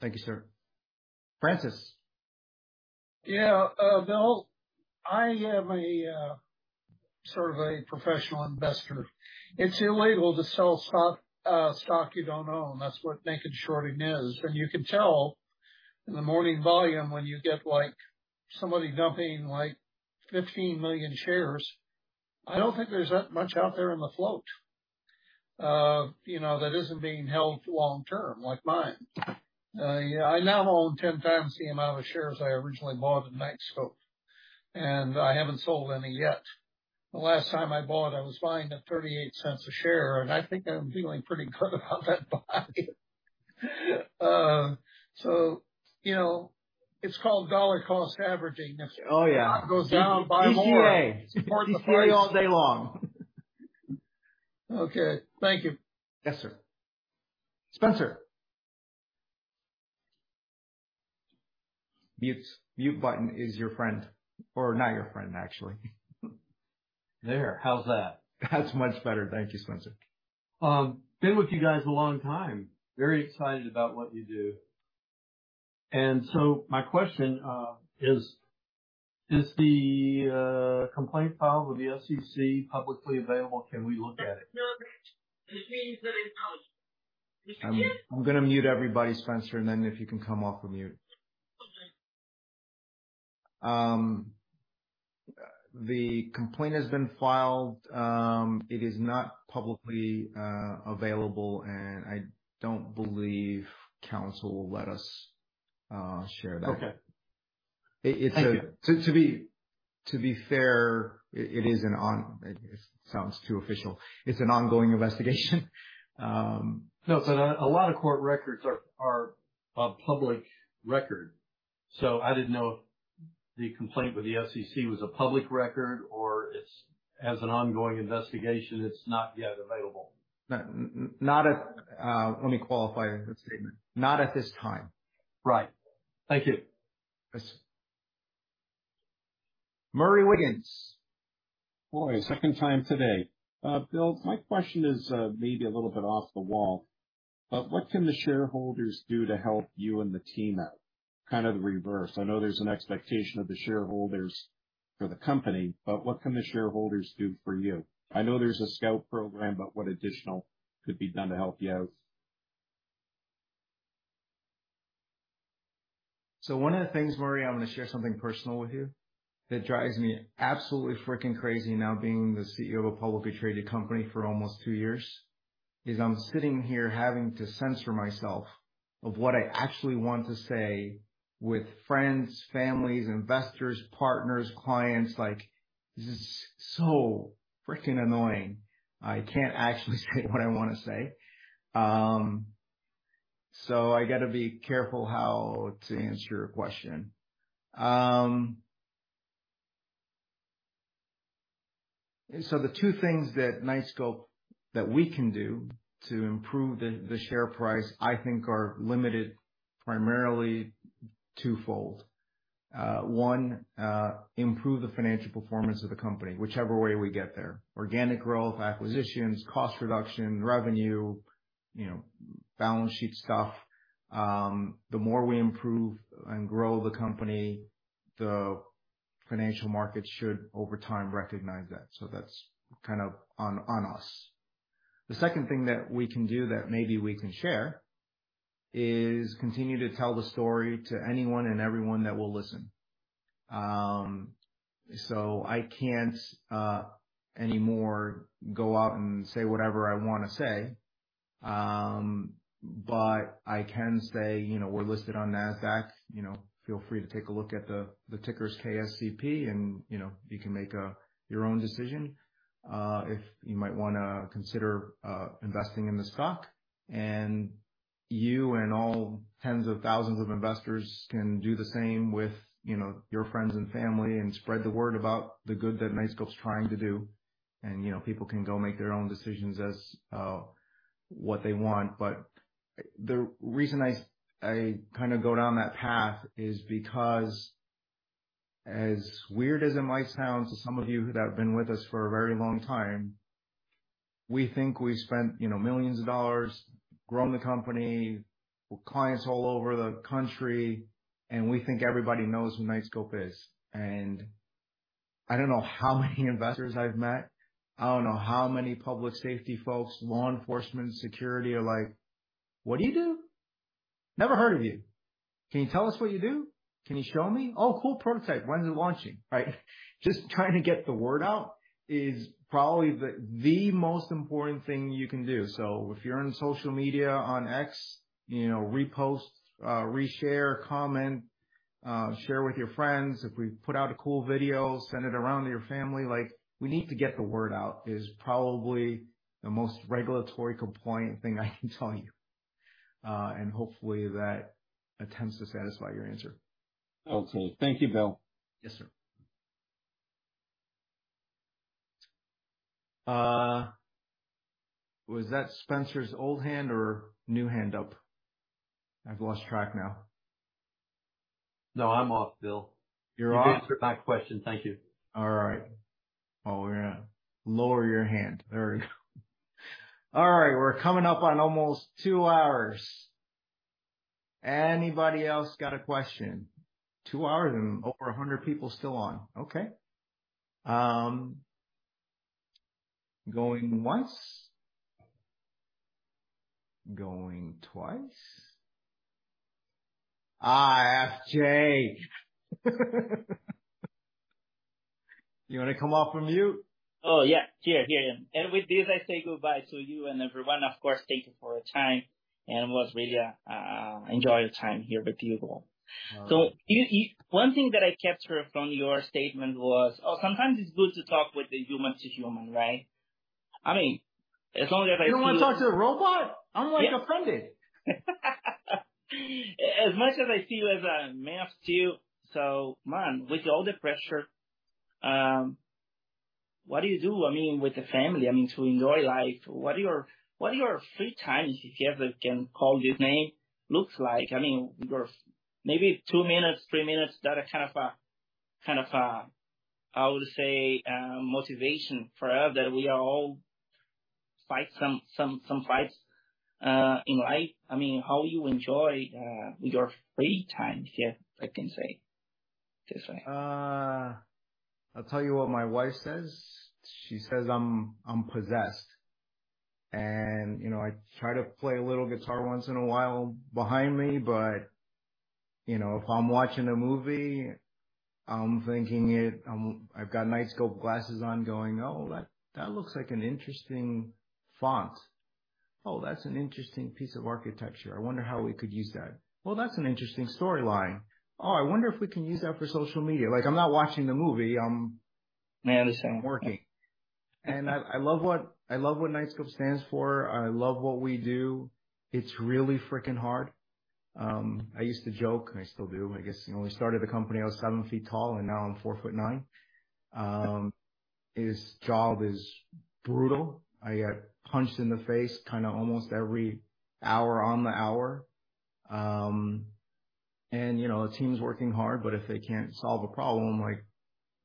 A: Thank you, sir. Francis?
Q: Yeah, Bill, I am a sort of a professional investor. It's illegal to sell stock, stock you don't own. That's what naked shorting is. You can tell in the morning volume, when you get, like, somebody dumping, like, 15 million shares. I don't think there's that much out there in the float, you know, that isn't being held long term, like mine. Yeah, I now own 10 times the amount of shares I originally bought at Knightscope, and I haven't sold any yet. The last time I bought, I was buying at $0.38 a share, and I think I'm feeling pretty good about that buy. You know, it's called dollar cost averaging.
A: Oh, yeah.
Q: It goes down, buy more.
A: DCA, DCA all day long.
Q: Okay. Thank you.
A: Yes, sir. Spencer? Mute, mute button is your friend, or not your friend, actually.
R: There, how's that?
A: That's much better. Thank you, Spencer.
R: been with you guys a long time. Very excited about what you do. My question, is the complaint filed with the SEC publicly available? Can we look at it?
A: I'm gonna mute everybody, Spencer, and then if you can come off of mute. The complaint has been filed. It is not publicly available, and I don't believe counsel will let us share that.
R: Okay.
A: It, it's a-
R: Thank you.
A: To be fair, it is an. It sounds too official. It's an ongoing investigation.
R: No, but a lot of court records are a public record, so I didn't know if the complaint with the SEC was a public record or it's as an ongoing investigation, it's not yet available.
A: Not at, let me qualify that statement. Not at this time.
R: Right. Thank you.
A: Yes, sir. Murray Wiggins.
O: Boy, second time today. Bill, my question is, maybe a little bit off the wall, but what can the shareholders do to help you and the team out? Kind of the reverse. I know there's an expectation of the shareholders for the company, but what can the shareholders do for you? I know there's a Scout Program, but what additional could be done to help you out?
A: One of the things, Murray, I'm going to share something personal with you, that drives me absolutely freaking crazy now, being the CEO of a publicly traded company for almost two years, is I'm sitting here having to censor myself of what I actually want to say with friends, families, investors, partners, clients. Like, this is so freaking annoying. I can't actually say what I want to say. I got to be careful how to answer your question. The two things that Knightscope, that we can do to improve the, the share price, I think are limited, primarily twofold. One, improve the financial performance of the company, whichever way we get there. Organic growth, acquisitions, cost reduction, revenue, you know, balance sheet stuff. The more we improve and grow the company, the financial markets should, over time, recognize that. That's kind of on, on us. The second thing that we can do that maybe we can share is continue to tell the story to anyone and everyone that will listen. I can't anymore go out and say whatever I want to say. I can say, you know, we're listed on Nasdaq, you know, feel free to take a look at the tickers, KSCP, and, you know, you can make your own decision. If you might wanna consider investing in the stock, and you and all tens of thousands of investors can do the same with, you know, your friends and family, and spread the word about the good that Knightscope's trying to do. People can go make their own decisions as what they want. The reason I, I kind of go down that path is because as weird as it might sound to some of you who have been with us for a very long time, we think we spent, you know, millions of dollars, grown the company, with clients all over the country, and we think everybody knows who Knightscope is. I don't know how many investors I've met, I don't know how many public safety folks, law enforcement, security, are like: "What do you do? Never heard of you. Can you tell us what you do? Can you show me? Oh, cool prototype. When is it launching?" Right? Just trying to get the word out is probably the, the most important thing you can do. If you're on social media, on X, you know, repost, reshare, comment, share with your friends. If we put out a cool video, send it around to your family. Like, we need to get the word out, is probably the most regulatory compliant thing I can tell you. Hopefully that attempts to satisfy your answer.
O: Okay. Thank you, Bill.
A: Yes, sir. Was that Spencer's old hand or new hand up? I've lost track now.
R: No, I'm off, Bill.
A: You're off.
R: You answered my question. Thank you.
A: All right. Well, we're gonna lower your hand. There we go. All right. We're coming up on almost two hours. Anybody else got a question? Two hours and over 100 people still on. Okay. Going once, going twice. Ah, FJ! You wanna come off from mute?
J: Oh, yeah. Here, here I am. With this, I say goodbye to you and everyone. Of course, thank you for your time, and it was really, I enjoyed your time here with you all.
A: All right.
J: One thing that I captured from your statement was, oh, sometimes it's good to talk with the human to human, right? I mean, as long as I feel-
A: You don't want to talk to a robot?
J: Yeah.
A: I'm, like, offended.
J: As much as Man of Steel, so, man, with all the pressure, what do you do, I mean, with the family, I mean, to enjoy life? What are your, what are your free times, if you ever can call this name, looks like? I mean, your maybe 2 minutes, 3 minutes, that are kind of a, kind of a, how to say, motivation for us, that we are all fight some, some fights, in life. I mean, how you enjoy, your free time, if I can say this way?
A: I'll tell you what my wife says. She says I'm, I'm possessed. You know, I try to play a little guitar once in a while behind me, but, you know, if I'm watching a movie, I'm thinking it... I've got Knightscope glasses on, going, "Oh, that, that looks like an interesting font. Oh, that's an interesting piece of architecture. I wonder how we could use that. That's an interesting storyline. Oh, I wonder if we can use that for social media." Like, I'm not watching the movie. I'm-
J: I understand.
A: I'm working. I, I love what, I love what Knightscope stands for. I love what we do. It's really freaking hard. I used to joke, and I still do, I guess, you know, when we started the company, I was seven feet tall, and now I'm four foot nine. This job is brutal. I get punched in the face kind of almost every hour on the hour. You know, the team's working hard, but if they can't solve a problem, like,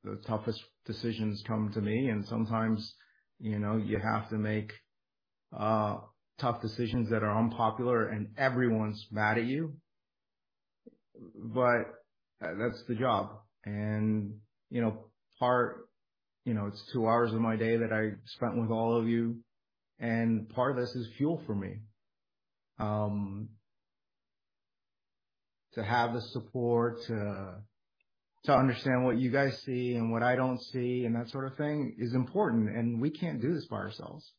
A: the toughest decisions come to me, and sometimes, you know, you have to make tough decisions that are unpopular, and everyone's mad at you. That's the job. You know, part, you know, it's two hours of my day that I spent with all of you, and part of this is fuel for me. To have the support, to, to understand what you guys see and what I don't see, and that sort of thing, is important, and we can't do this by ourselves.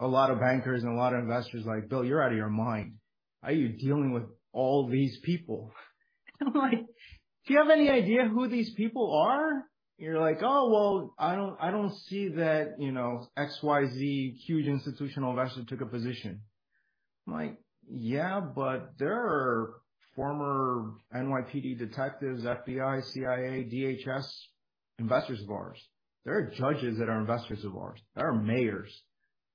A: A lot of bankers and a lot of investors are like: "Bill, you're out of your mind. How are you dealing with all these people?" I'm like: "Do you have any idea who these people are?" You're like: "Oh, well, I don't, I don't see that, you know, XYZ huge institutional investor took a position." I'm like: "Yeah, but there are former NYPD detectives, FBI, CIA, DHS, investors of ours. There are judges that are investors of ours. There are mayors.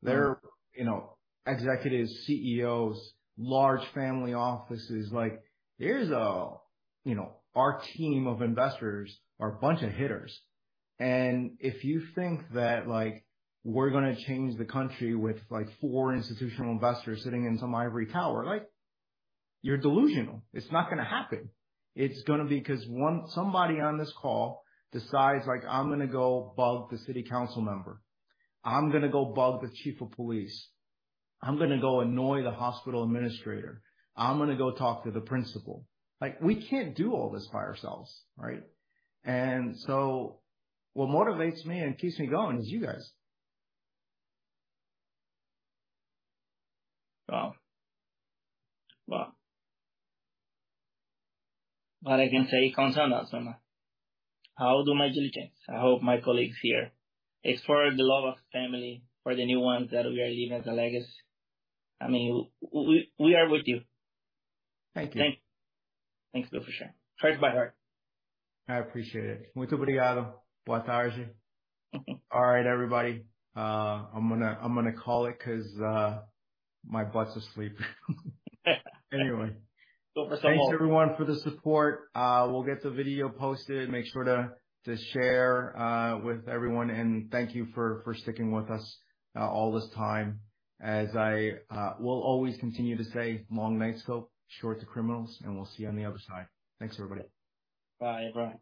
A: There are, you know, executives, CEOs, large family offices." Like, there's a... You know, our team of investors are a bunch of hitters. If you think that, like, we're gonna change the country with, like, 4 institutional investors sitting in some ivory tower, like, you're delusional. It's not gonna happen. It's gonna be because somebody on this call decides, like, "I'm gonna go bug the city council member. I'm gonna go bug the chief of police. I'm gonna go annoy the hospital administrator. I'm gonna go talk to the principal." Like, we can't do all this by ourselves, right? So what motivates me and keeps me going is you guys.
J: Wow! Wow. What I can say concerning us, I'll do my due diligence. I hope my colleagues here, it's for the love of family, for the new ones, that we are leaving as a legacy. I mean, we, we are with you.
A: Thank you.
J: Thanks, Bill, for sure. Heart by heart.
A: I appreciate it. Muito obrigado. Boa tarde. All right, everybody, I'm gonna, I'm gonna call it 'cause, my butt's asleep. Anyway. Thanks, everyone, for the support. We'll get the video posted. Make sure to share with everyone, and thank you for sticking with us all this time. As I will always continue to say: Long Knightscope, short the criminals, and we'll see you on the other side. Thanks, everybody. Bye, everyone. Bye, bye.